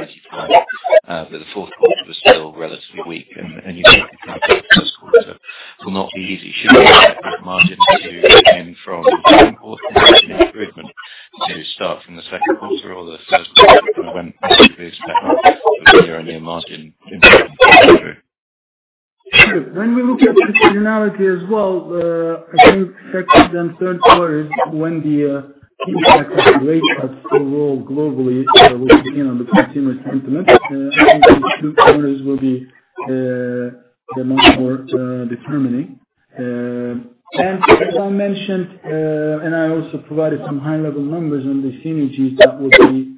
E: estimate for 2024, but the fourth quarter was still relatively weak. You've got to count on the first quarter. It will not be easy. Should we expect that margin to come in from the second quarter? Is there an improvement to start from the second quarter or the third quarter when we expect the year-on-year margin improvement to come through?
B: Sure. When we look at the seasonality as well, I think the second and third quarters, when the rate cuts will roll globally, we'll begin on the continuous increment. I think the two quarters will be much more determining. And as I mentioned, and I also provided some high-level numbers on the synergies, that would be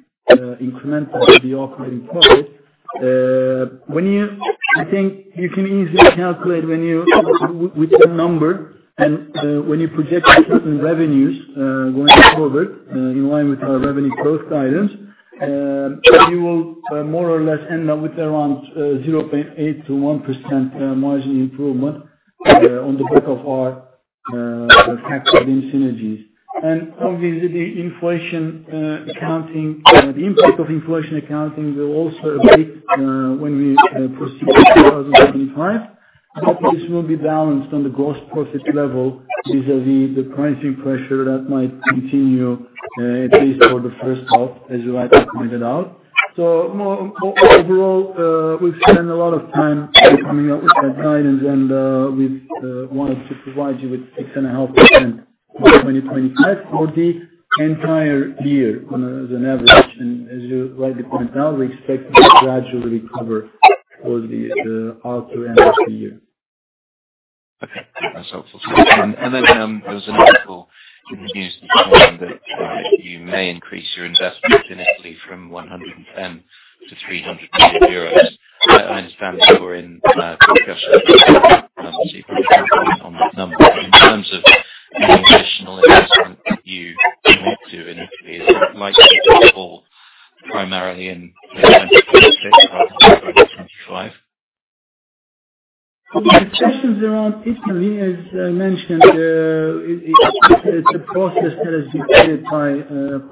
B: incremental to the operating profit. I think you can easily calculate with the number, and when you project the revenues going forward in line with our revenue growth guidance, you will more or less end up with around 0.8%-1% margin improvement on the back of our factored-in synergies. And obviously, the inflation accounting, the impact of inflation accounting will also abate when we proceed to 2025. But this will be balanced on the gross profit level vis-à-vis the pricing pressure that might continue, at least for the first half, as you rightly pointed out. So overall, we've spent a lot of time coming up with that guidance, and we've wanted to provide you with 6.5% for 2025 for the entire year on an average. And as you rightly pointed out, we expect it to gradually recover towards the after and after year.
E: Okay. That's helpful. And then there was an article introducing that you may increase your investments in Italy from 110 million to 300 million euros. I understand that you were in discussion with the government on that number. In terms of the additional investment that you make to Italy, is it likely to fall primarily in 2026 rather than 2025?
B: The questions around Italy, as I mentioned, it's a process that is dictated by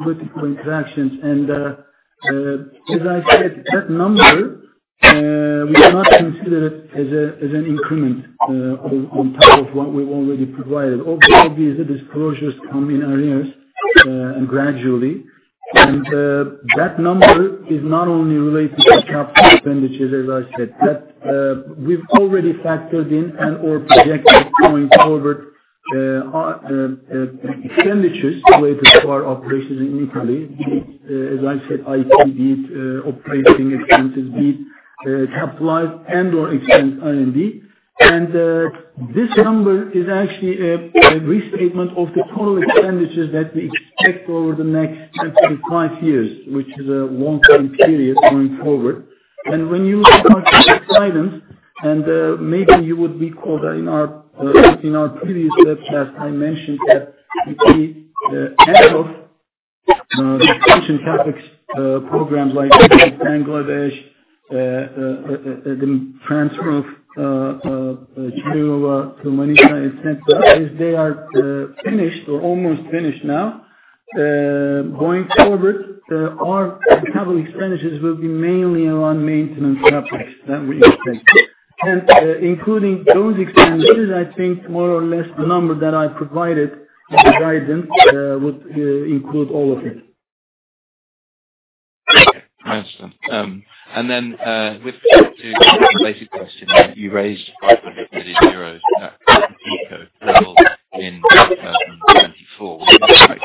B: political interactions, and as I said, that number, we do not consider it as an increment on top of what we've already provided. Obviously, disclosures come in arrears and gradually, and that number is not only related to capital expenditures, as I said. We've already factored in and/or projected going forward expenditures related to our operations in Italy, as I said, be it IT, be it operating expenses, be it capital and/or R&D expense, and this number is actually a restatement of the total expenditures that we expect over the next five years, which is a long-term period going forward. And when you look at our guidance, and maybe you would recall that in our previous webcast, I mentioned that the end of the expansion CapEx programs like in Bangladesh, the transfer of Çayırova to Manisa, etc., as they are finished or almost finished now, going forward, our capital expenditures will be mainly around maintenance CapEx that we expect. And including those expenditures, I think more or less the number that I provided in the guidance would include all of it.
E: Okay. I understand. And then with respect to the basic question, you raised 500 million at the Beko level in 2024. Would you expect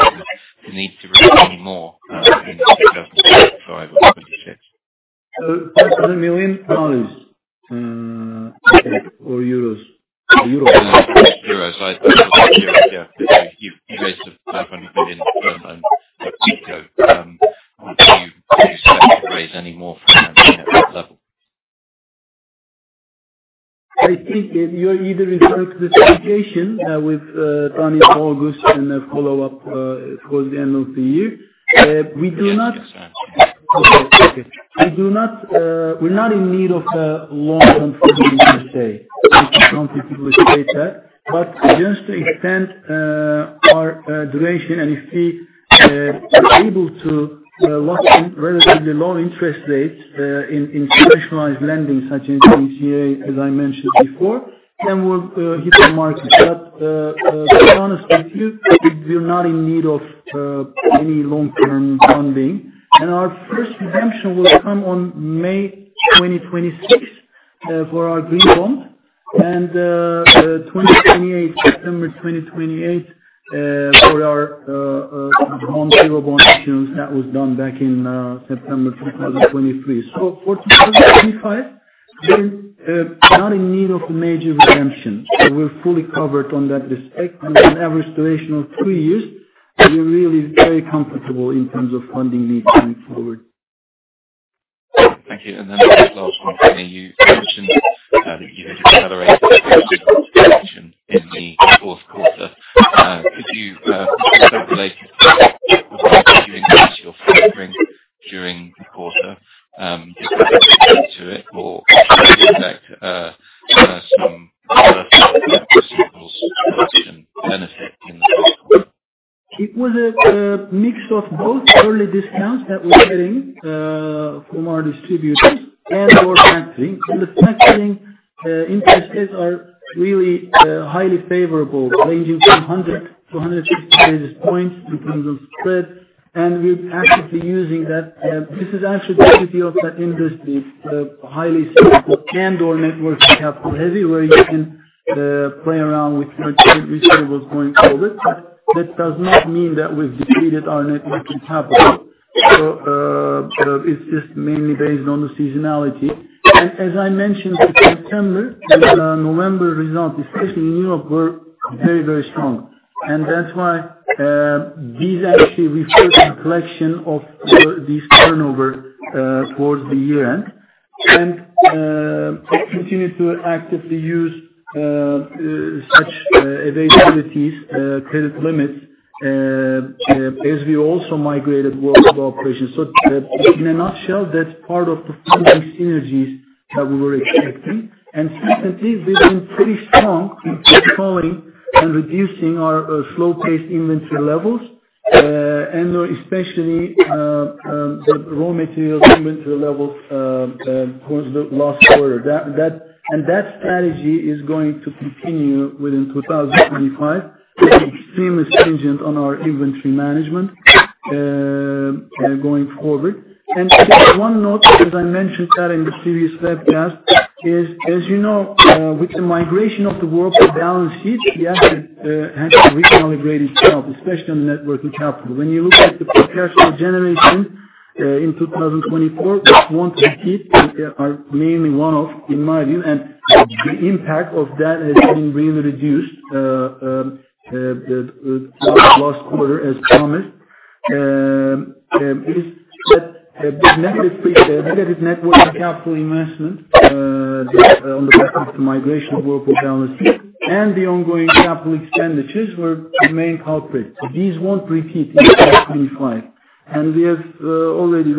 E: to need to raise any more in 2025 or 2026? 500 million dollars or euros? Euros. Euros. I think it's euros, yeah. You raised EUR 500 million in Beko. Would you expect to raise any more from that level?
B: I think you're either in terms of the situation we've done in August and a follow-up towards the end of the year. We do not. Okay. We're not in need of a long-term funding, per se. I think it's something people expect that. But just to extend our duration, and if we are able to lock in relatively low interest rates in conventionalized lending such as ECA, as I mentioned before, then we'll hit the market. But to be honest with you, we're not in need of any long-term funding. And our first redemption will come on May 2026 for our green bond, and September 2028 for our zero bond issuance that was done back in September 2023. So for 2025, we're not in need of a major redemption. So we're fully covered on that respect. With an average duration of three years, we're really very comfortable in terms of funding needs going forward.
E: Thank you. And then lastly, you mentioned that you had accelerated the expansion in the fourth quarter. Could you elaborate on what you expect your factoring during the quarter? Do you expect to add to it, or should you expect some reverse discounts or discount benefit in the fourth quarter?
B: It was a mix of both early discounts that we're getting from our distributors and/or factoring. And the factoring interest rates are really highly favorable, ranging from 100-150 basis points in terms of spread. And we're actively using that. This is actually the beauty of that industry, highly scalable and/or net working capital-heavy, where you can play around with your trade receivables going forward. But that does not mean that we've depleted our net working capital. It's just mainly based on the seasonality. As I mentioned, September and November results, especially in Europe, were very, very strong. That's why these actually refer to the collection of this turnover towards the year-end. We continue to actively use such facilities, credit limits, as we also migrated Wrocław operations. In a nutshell, that's part of the funding synergies that we were expecting. Secondly, we've been pretty strong in controlling and reducing our slow-moving inventory levels, and especially the raw materials inventory levels towards the last quarter. That strategy is going to continue within 2025. It's extremely stringent on our inventory management going forward. Just one note, as I mentioned that in the previous webcast, is, as you know, with the migration of the Wrocław balance sheet, we actually had to remonetize itself, especially on the net working capital. When you look at the per capita generation in 2024, we want to repeat what they are mainly one of, in my view, and the impact of that has been really reduced throughout the last quarter, as promised. It is that the negative net working capital investment on the back of the migration of Wrocław balance sheet and the ongoing capital expenditures were the main culprit. These won't repeat in 2025, and we have already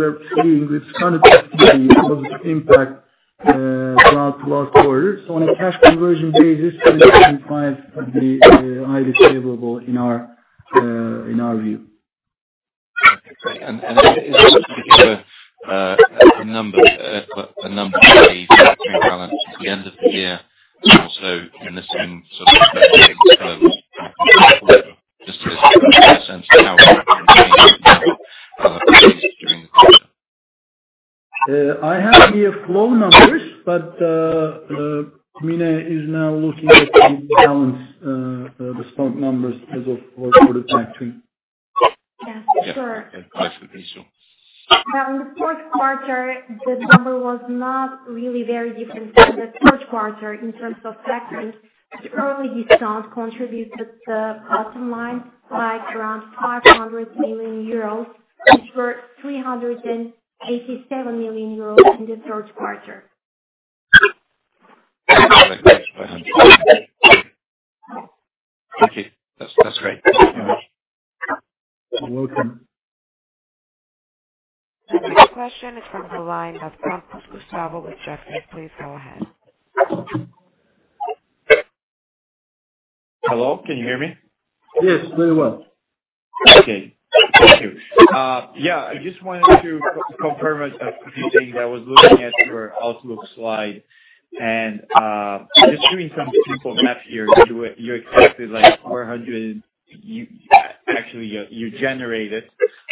B: seen with current activity the positive impact throughout the last quarter. So on a cash conversion basis, 2025 will be highly favorable in our view.
E: Okay, and is there a number to raise the factoring balance at the end of the year and also in the same sort of expectations for the quarter? Just to get a sense of how we're actually changing that during the quarter.
B: I have the flow numbers, but Mine is now looking at the balance, the stock numbers as of the quarter factoring.
C: Yeah.
E: Sure. Okay. Perfect. Thank you.
C: Now, in the fourth quarter, the number was not really very different from the third quarter in terms of factoring. It only discount contributed the bottom line, like around 500 million euros, which were 387 million euros in the third quarter.
E: Thank you. That's great.
C: You're welcome.
A: Question is from the line that's from Gustavo with Jefferies. Please go ahead. Hello? Can you hear me?
B: Yes. Very well. Okay. Thank you. Yeah. I just wanted to confirm a few things I was looking at your Outlook slide. And just doing some simple math here, you expected like 400 actually, you generated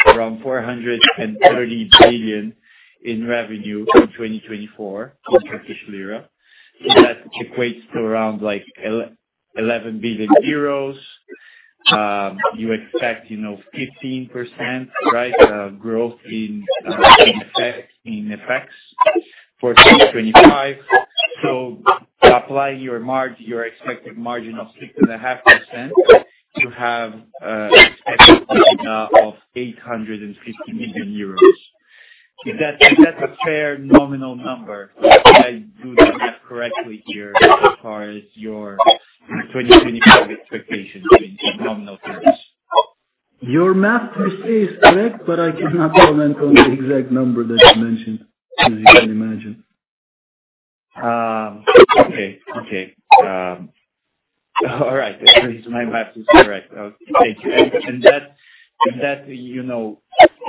B: around 430 billion in revenue in 2024 in Turkish lira. So that equates to around 11 billion euros. You expect 15%, right, growth in FX for 2025. So applying your margin, your expected margin of 6.5%, you have an expected P&L of 850 million euros. Is that a fair nominal number? Did I do the math correctly here as far as your 2025 expectations in nominal terms? Your math, per se, is correct, but I cannot comment on the exact number that you mentioned, as you can imagine. Okay. Okay. All right. My math is correct. Thank you. And that you know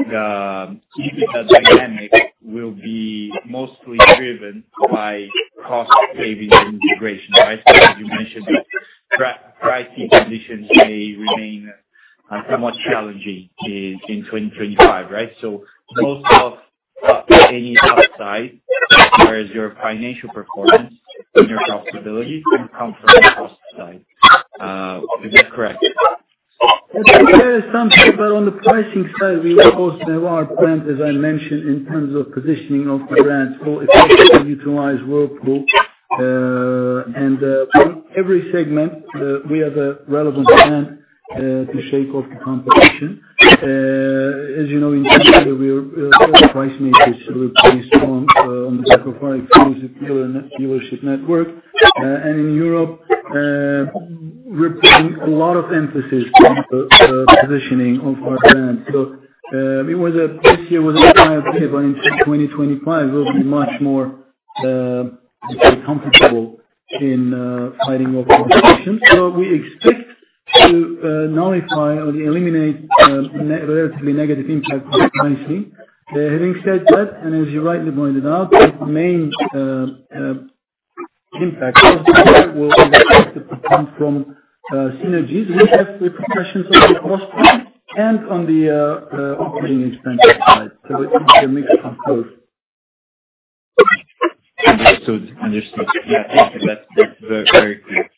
B: that the dynamic will be mostly driven by cost savings and integration, right? You mentioned that pricing conditions may remain somewhat challenging in 2025, right? So most of any upside, as far as your financial performance and your profitability, will come from the cost side. Is that correct? That is something about on the pricing side, we will also have our brand, as I mentioned, in terms of positioning of the brand. We'll effectively utilize Wrocław. In every segment, we have a relevant brand to shake off the competition. As you know, in Turkey, we are price leaders, so we're pretty strong on the integrated supply chain network. In Europe, we're putting a lot of emphasis on the positioning of our brand. This year was a trial period, but in 2025, we'll be much more comfortable in fighting off competition. We expect to nullify or eliminate relatively negative impact on the pricing. Having said that, and as you rightly pointed out, the main impact of the year will expect to come from synergies we have with the acquisition on the cost side and on the operating expenses side. It's a mix of both. Understood. Understood. Yeah. Thank you. That's very clear.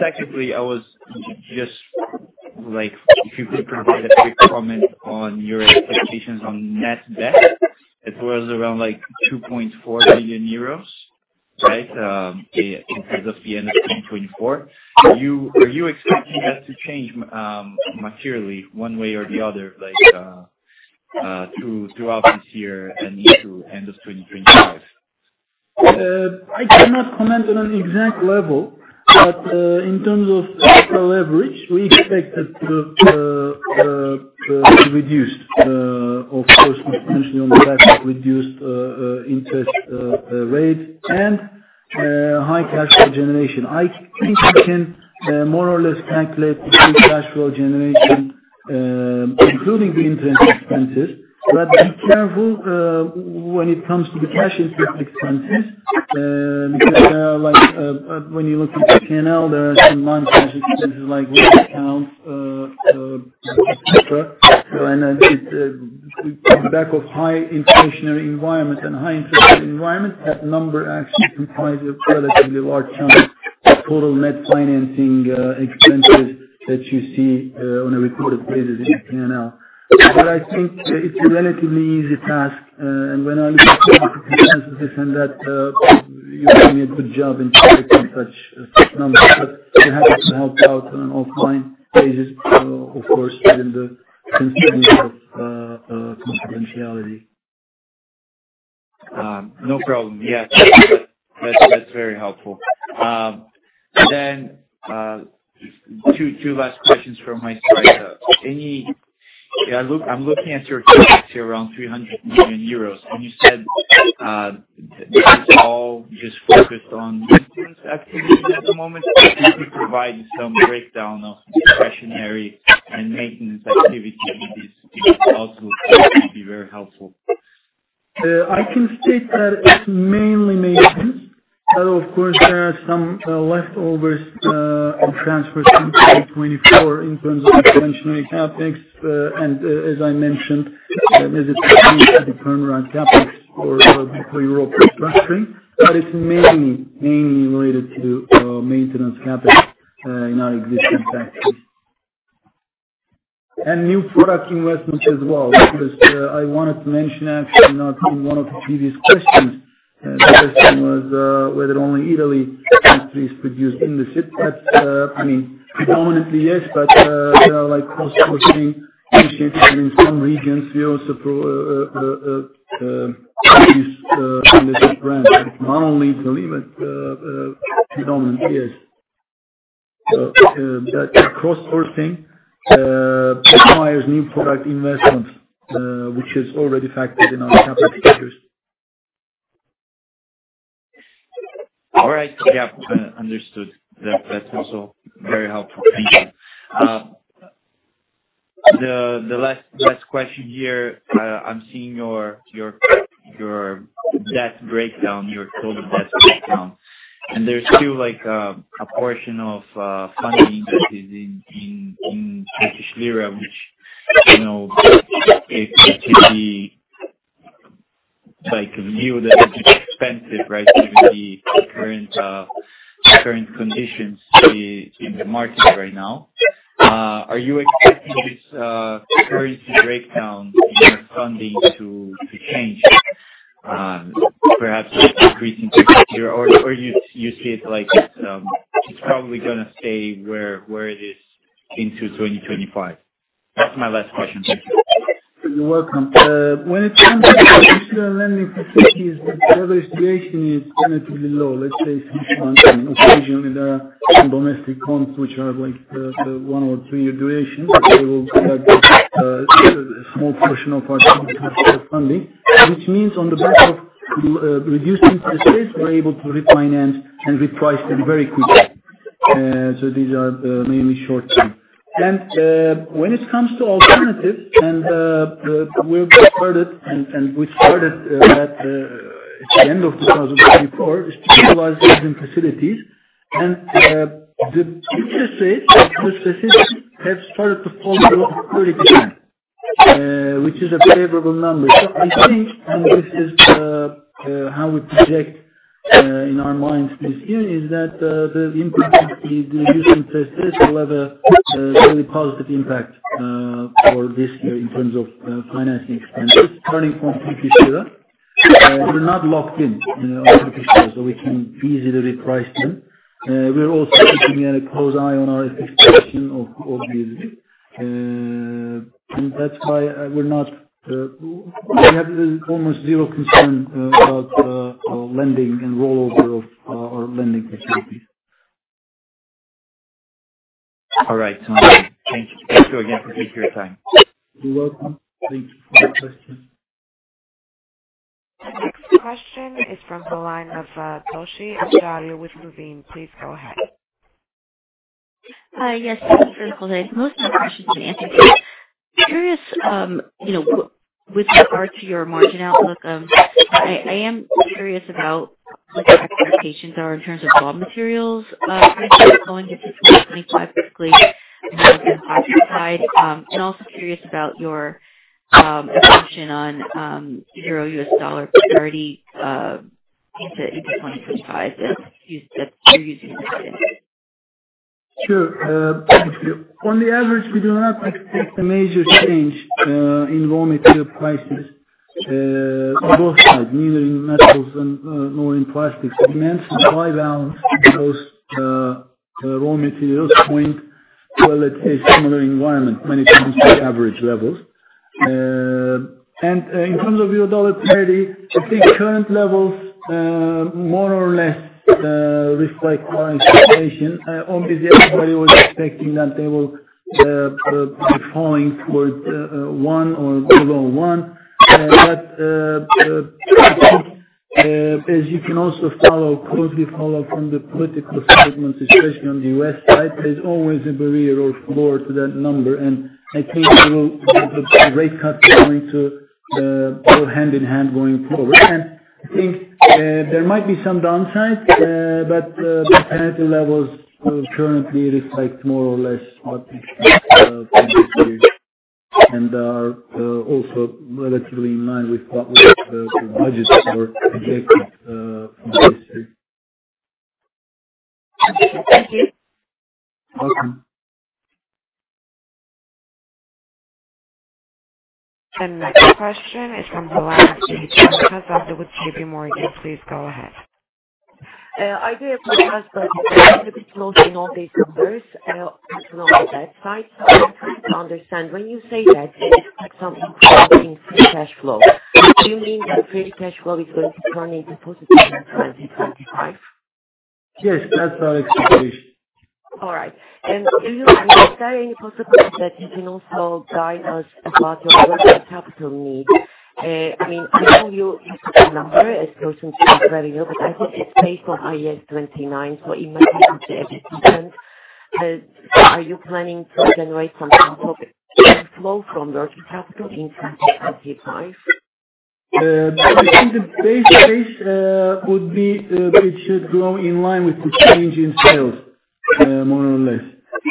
B: Secondly, I was just like, if you could provide a quick comment on your expectations on net debt, as well as around 2.4 million euros, right, in terms of the end of 2024, are you expecting that to change materially one way or the other throughout this year and into the end of 2025? I cannot comment on an exact level, but in terms of capital leverage, we expect it to be reduced, of course, substantially on the back of reduced interest rates and high cash flow generation. I think we can more or less calculate the cash flow generation, including the interest expenses. But be careful when it comes to the cash interest expenses, because when you look at the P&L, there are some non-cash expenses like work accounts, etc. On the back of high inflationary environments, that number actually comprises a relatively large chunk of total net financing expenses that you see on a recorded basis in the P&L. I think it's a relatively easy task. When I look at the comparison with this and that, you're doing a good job in tracking such numbers. You have to help out on an offline basis, of course, given the constraints of confidentiality. No problem. Yeah. That's very helpful. Two last questions from my side. I'm looking at your project here around 300 million euros. You said this is all just focused on maintenance activities at the moment. Could you provide some breakdown of discretionary and maintenance activities in these outlooks? That would be very helpful. I can state that it's mainly maintenance. But of course, there are some leftovers and transfers in 2024 in terms of conventional CapEx. And as I mentioned, as it pertains to the turnaround CapEx for Wrocław's structuring, but it's mainly related to maintenance CapEx in our existing factories. And new product investments as well. I wanted to mention, actually, not in one of the previous questions, the question was whether only Italy factories produce in the CIS. I mean, predominantly yes, but there are cross-sourcing initiatives in some regions. We also produce in the CIS branch. Not only Italy, but predominantly yes. But cross-sourcing requires new product investments, which has already factored in our CapEx figures. All right. Yeah. Understood. That's also very helpful. Thank you. The last question here, I'm seeing your debt breakdown, your total debt breakdown. And there's still a portion of funding that is in Turkish lira, which could be viewed as expensive, right, given the current conditions in the market right now. Are you expecting this currency breakdown in your funding to change, perhaps increasing Turkish lira, or do you see it like it's probably going to stay where it is into 2025? That's my last question. Thank you. You're welcome. When it comes to traditional lending facilities, the level of duration is relatively low. Let's say some funds occasionally there are some domestic funds which are like one- or two-year duration. They will be a small portion of our typical funding, which means on the back of reducing interest rates, we're able to refinance and reprice them very quickly. So these are mainly short-term. And when it comes to alternatives, and we've started at the end of 2024, is to utilize these facilities. And the interest rates have started to fall below 30%, which is a favorable number. So I think, and this is how we project in our minds this year, is that the impact of the reduced interest rates will have a really positive impact for this year in terms of financing expenses, starting from Turkish lira. We're not locked in on Turkish lira, so we can easily reprice them. We're also keeping a close eye on our expectation of these risk. And that's why we're not. We have almost zero concern about lending and rollover of our lending facilities. All right. Thank you. Thank you again for taking your time. You're welcome. Thank you for the question.
A: Next question is from the line of [Unclear name] with Nuveen. Please go ahead. Yes. Thank you for the call. There's most of my questions been answered here. Curious, with regard to your margin outlook, I am curious about what your expectations are in terms of raw materials pricing going into 2025, particularly on the copper side. And also curious about your assumption on euro-US dollar parity into 2025 that you're using to guide it.
B: Sure. On the average, we do not expect a major change in raw material prices on both sides, neither in metals nor in plastics. Demand-supply balance in those raw materials point to a similar environment, many times to average levels. And in terms of euro-dollar parity, I think current levels more or less reflect our expectation. Obviously, everybody was expecting that they will be falling towards one or below one. But I think, as you can also follow, closely follow from the political statements, especially on the US side, there's always a barrier or floor to that number. I think the rate cuts are going to go hand in hand going forward. I think there might be some downside, but the parity levels currently reflect more or less what we expect for this year. They are also relatively in line with what we have budgeted or projected from this year. Thank you. You're welcome.
A: The next question is from the line of [Unclear Name]. Please go ahead. I do have my hands full, but I'm a bit lost in all these numbers on the website, so I'm trying to understand. When you say that it's something called increased cash flow, do you mean that increased cash flow is going to turn into positive in 2025?
B: Yes. That's our expectation. All right. Is there any possibility that you can also guide us about your working capital needs? I mean, I know you put the number as persons with revenue, but I think it's based on IAS 29, so it might be a bit different. Are you planning to generate some capital inflow from working capital in 2025? I think the base case would be it should go in line with the change in sales, more or less,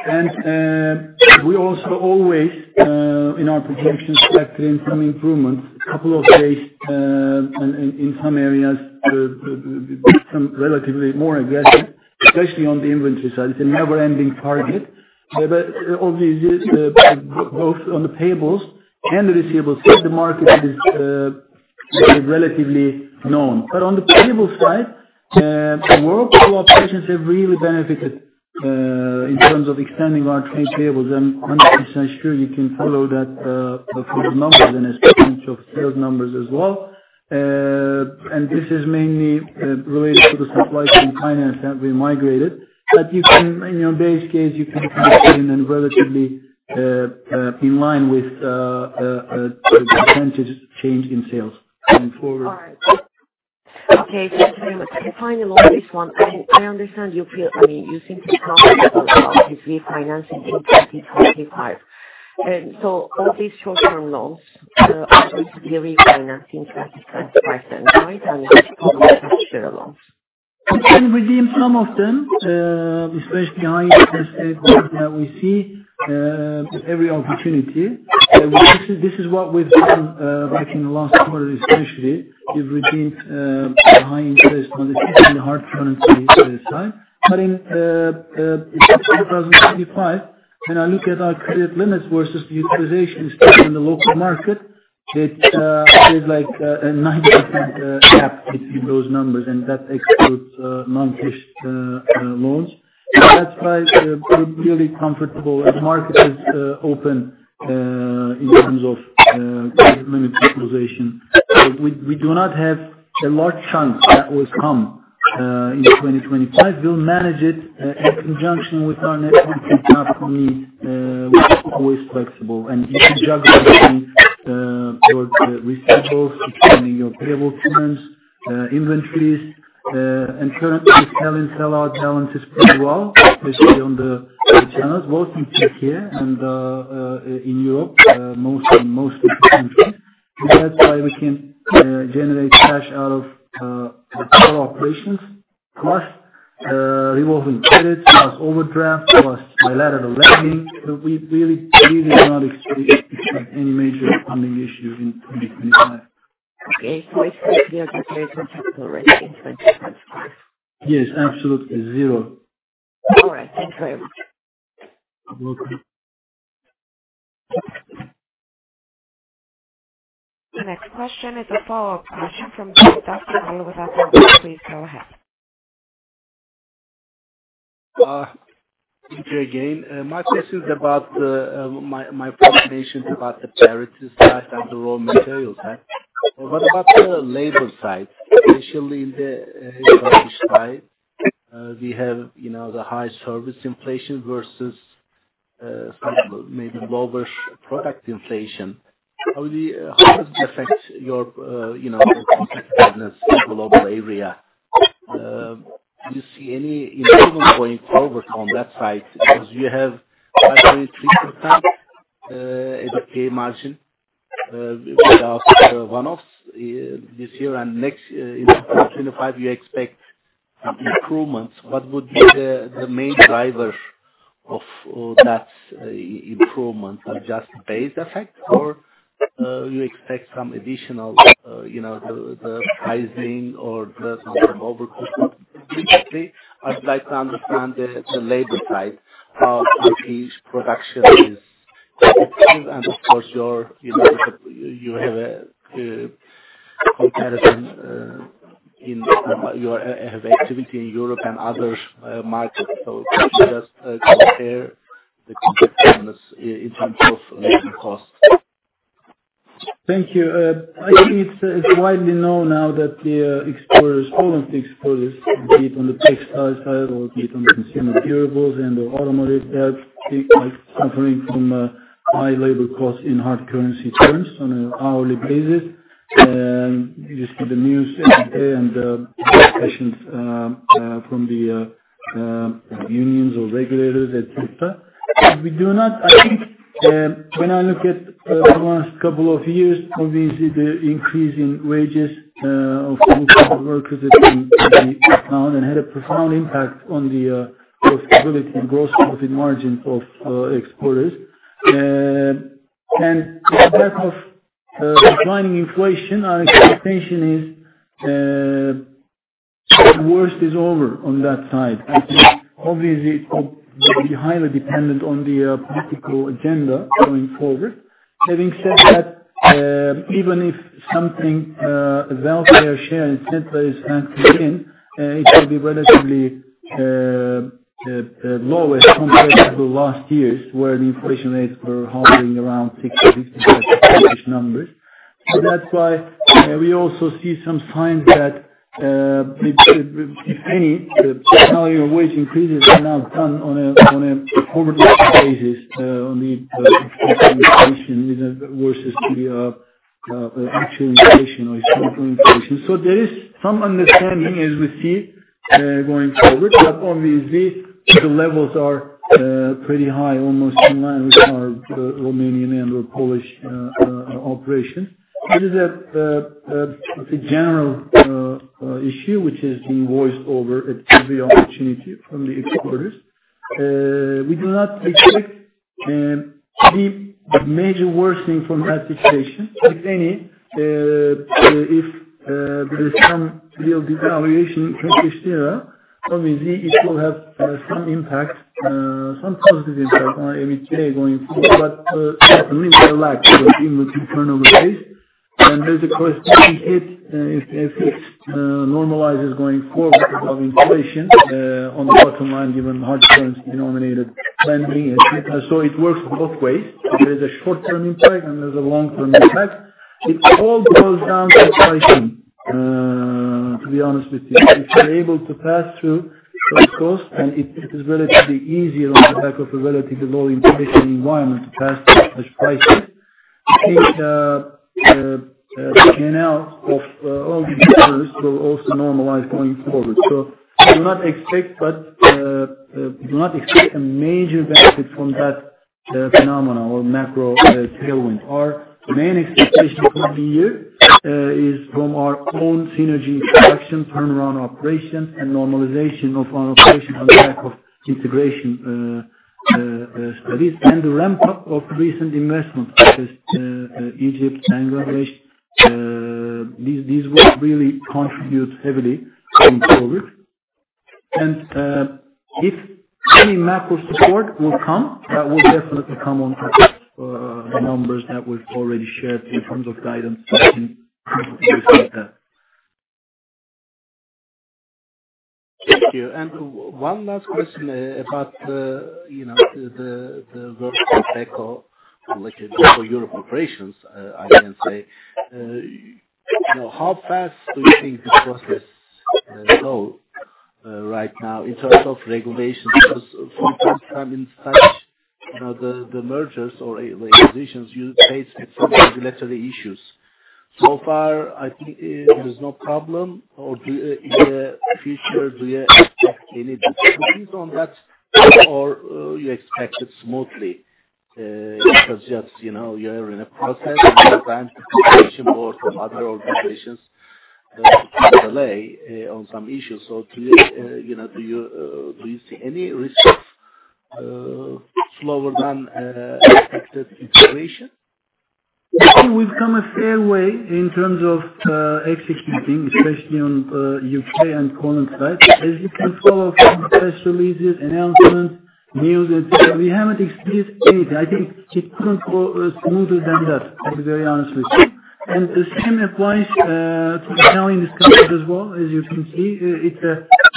B: and we also always, in our projections, factor in some improvements. A couple of days in some areas, some relatively more aggressive, especially on the inventory side. It's a never-ending target, but obviously, both on the payables and the receivables side, the market is relatively known, but on the payables side, the workflow operations have really benefited in terms of extending our trade payables. I'm 100% sure you can follow that from the numbers and as percentage of sales numbers as well. This is mainly related to the supply chain finance that we migrated. In your base case, you can see it in a relatively in line with the percentage change in sales going forward. All right. Okay. Thank you very much. Finally, on this one, I understand you feel I mean, you seem to be talking about refinancing in 2025. All these short-term loans are going to be refinanced in 2025 then, right? It's probably tax-share loans. We've redeemed some of them, especially high-interest rates that we see at every opportunity. This is what we've done back in the last quarter, especially. We've redeemed the high-interest on the hard currency side. In 2025, when I look at our credit limits versus the utilization stock in the local market, it is like a 90% gap between those numbers, and that excludes non-cash loans. That's why we're really comfortable. The market is open in terms of credit limit utilization. We do not have a large chunk that will come in 2025. We'll manage it in conjunction with our net working capital needs, which is always flexible. And you can juggle between your receivables, extending your payable terms, inventories. And currently, the sell-in/sell-out balance is pretty well, especially on the channels, both in Türkiye and in Europe, most countries. And that's why we can generate cash out of the core operations, plus revolving credits, plus overdrafts, plus bilateral lending. So we really do not expect any major funding issues in 2025. Okay. So it's basically a comparable capital requirement in 2025. Yes. Absolutely. Zero. All right. Thank you very much. You're welcome.
A: The next question is a follow-up question from [Unclear name]. Please go ahead. Thank you again.
E: My question is about my frustrations about the parity side and the raw materials side. What about the labor side, especially in the Turkish side? We have the high service inflation versus maybe lower product inflation. How does it affect your competitiveness in the global area? Do you see any improvement going forward on that side? Because you have a 23% EBITDA margin without one-offs this year. And next, in 2025, you expect some improvements. What would be the main driver of that improvement? Just the base effect, or you expect some additional, the pricing or some overcooking? Basically, I'd like to understand the labor side. How Turkish production is effective? And of course, you have a comparison in your activity in Europe and other markets. So could you just compare the competitiveness in terms of labor cost? Thank you.
B: I think it's widely known now that the exporters, Poland's exporters, be it on the textile side or be it on the consumer durables and/or automotive, they are suffering from high labor costs in hard currency terms on an hourly basis, and you see the news every day and the questions from the unions or regulators, etc. We do not. I think when I look at the last couple of years, obviously, the increase in wages of most of the workers has been profound and had a profound impact on the profitability and gross profit margins of exporters, and in the back of declining inflation, our expectation is the worst is over on that side. I think, obviously, it will be highly dependent on the political agenda going forward. Having said that, even if something, a welfare share in the center is factored in, it will be relatively lower compared to the last years where the inflation rates were hovering around 60%-65% numbers. So that's why we also see some signs that, if any, the salary or wage increases are now done on a forward-looking basis on the inflation ratio versus the actual inflation or historical inflation. So there is some understanding, as we see, going forward. But obviously, the levels are pretty high, almost in line with our Romanian and/or Polish operations. It is a general issue which has been voiced over at every opportunity from the exporters. We do not expect any major worsening from that situation. If any, if there is some real devaluation in Turkish lira, obviously, it will have some impact, some positive impact on EBITDA going forward. But certainly, we are lacking in the turnover base. And there's a corresponding hit if it normalizes going forward above inflation on the bottom line, given hard currency-denominated lending. So it works both ways. There is a short-term impact, and there's a long-term impact. It all boils down to pricing, to be honest with you. If you're able to pass through those costs, then it is relatively easier on the back of a relatively low inflation environment to pass through such prices. I think the channels of all these levels will also normalize going forward. So do not expect, but do not expect a major benefit from that phenomenon or macro tailwind. Our main expectation for the year is from our own synergy production, turnaround operations, and normalization of our operation on the back of integration studies and the ramp-up of recent investments such as Egypt, Bangladesh. These will really contribute heavily going forward, and if any macro support will come, that will definitely come on top of the numbers that we've already shared in terms of guidance. We can expect that.
E: Thank you, and one last question about the Whirlpool Beko, which is for Europe operations, I can say. How fast do you think the process goes right now in terms of regulations? Because from time to time, in such mergers or acquisitions, you face some regulatory issues. So far, I think there is no problem. Or in the future, do you expect any difficulties on that, or you expect it smoothly? It's just you're in a process, and sometimes the Competition Board or other organizations delay on some issues. So do you see any risk of slower-than-expected integration?
B: I think we've come a fair way in terms of executing, especially on the UK and Poland side. As you can follow from press releases, announcements, news, etc., we haven't experienced anything. I think it couldn't go smoother than that, to be very honest with you, and the same applies to Italian discussions as well. As you can see,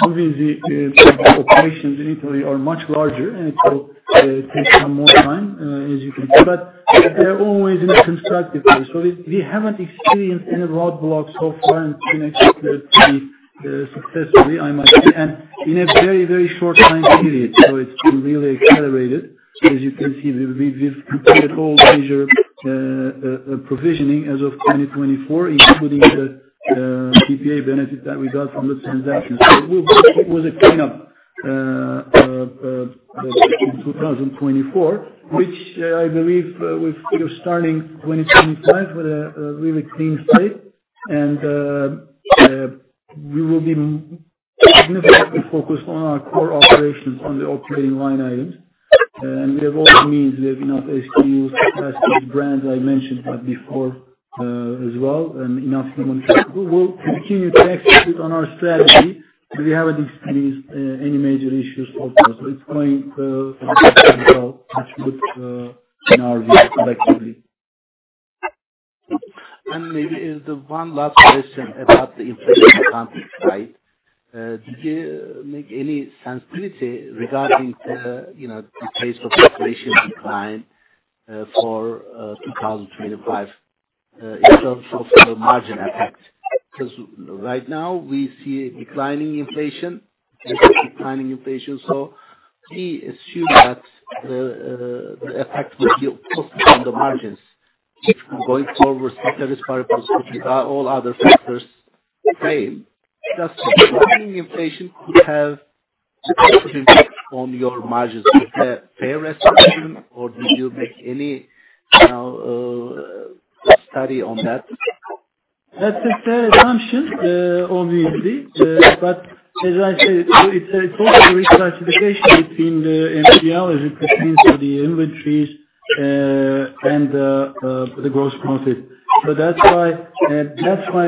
B: obviously, operations in Italy are much larger, and it will take some more time, as you can see, but they're always in a constructive way, so we haven't experienced any roadblocks so far, and it's been executed successfully, I might say, and in a very, very short time period, so it's been really accelerated. As you can see, we've completed all major provisioning as of 2024, including the PPA benefit that we got from the transactions. So it was a clean-up in 2024, which I believe we're starting 2025 with a really clean state. And we will be significantly focused on our core operations, on the operating line items. And we have all the means. We have enough SKUs, capacities, brands I mentioned before as well, and enough human capital. We'll continue to execute on our strategy, but we haven't experienced any major issues so far. So it's going to be successful, in our view, collectively.
E: And maybe the one last question about the inflation accounting side. Did you make any sensitivity regarding the pace of inflation decline for 2025 in terms of the margin effect? Because right now, we see declining inflation, decreasing declining inflation. So we assume that the effect will be positive on the margins going forward, sector-wise by proportion. Are all other factors the same?
B: Just declining inflation could have a positive effect on your margins. Is that a fair assumption, or did you make any study on that? That's a fair assumption, obviously. But as I said, it's also a risk classification between the MGL as it pertains to the inventories and the gross profit. So that's why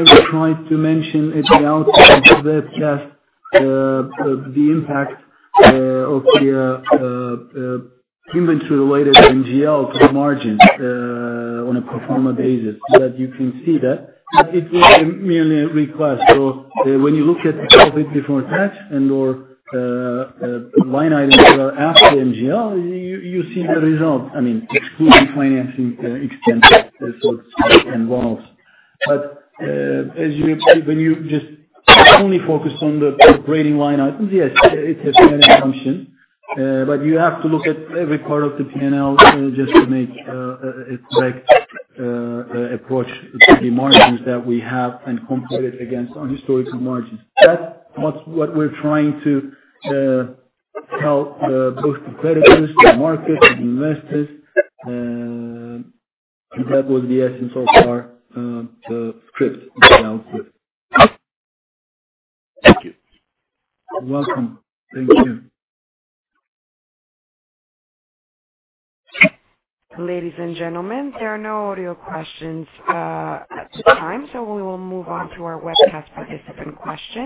B: we're trying to mention at the outcome of the webcast the impact of the inventory-related MGL to the margins on a pro forma basis so that you can see that. But it's not merely a request. So when you look at the profit before tax and/or line items that are after MGL, you see the result. I mean, excluding financing expenses, so to speak, and bonds. But when you just only focus on the operating line items, yes, it's a fair assumption. But you have to look at every part of the P&L just to make a correct approach to the margins that we have and compare it against our historical margins. That's what we're trying to tell both the creditors, the market, and the investors. And that was the essence of our script, if you're all good.
E: Thank you.
B: You're welcome. Thank you.
A: Ladies and gentlemen, there are no audio questions at this time, so we will move on to our webcast participant questions.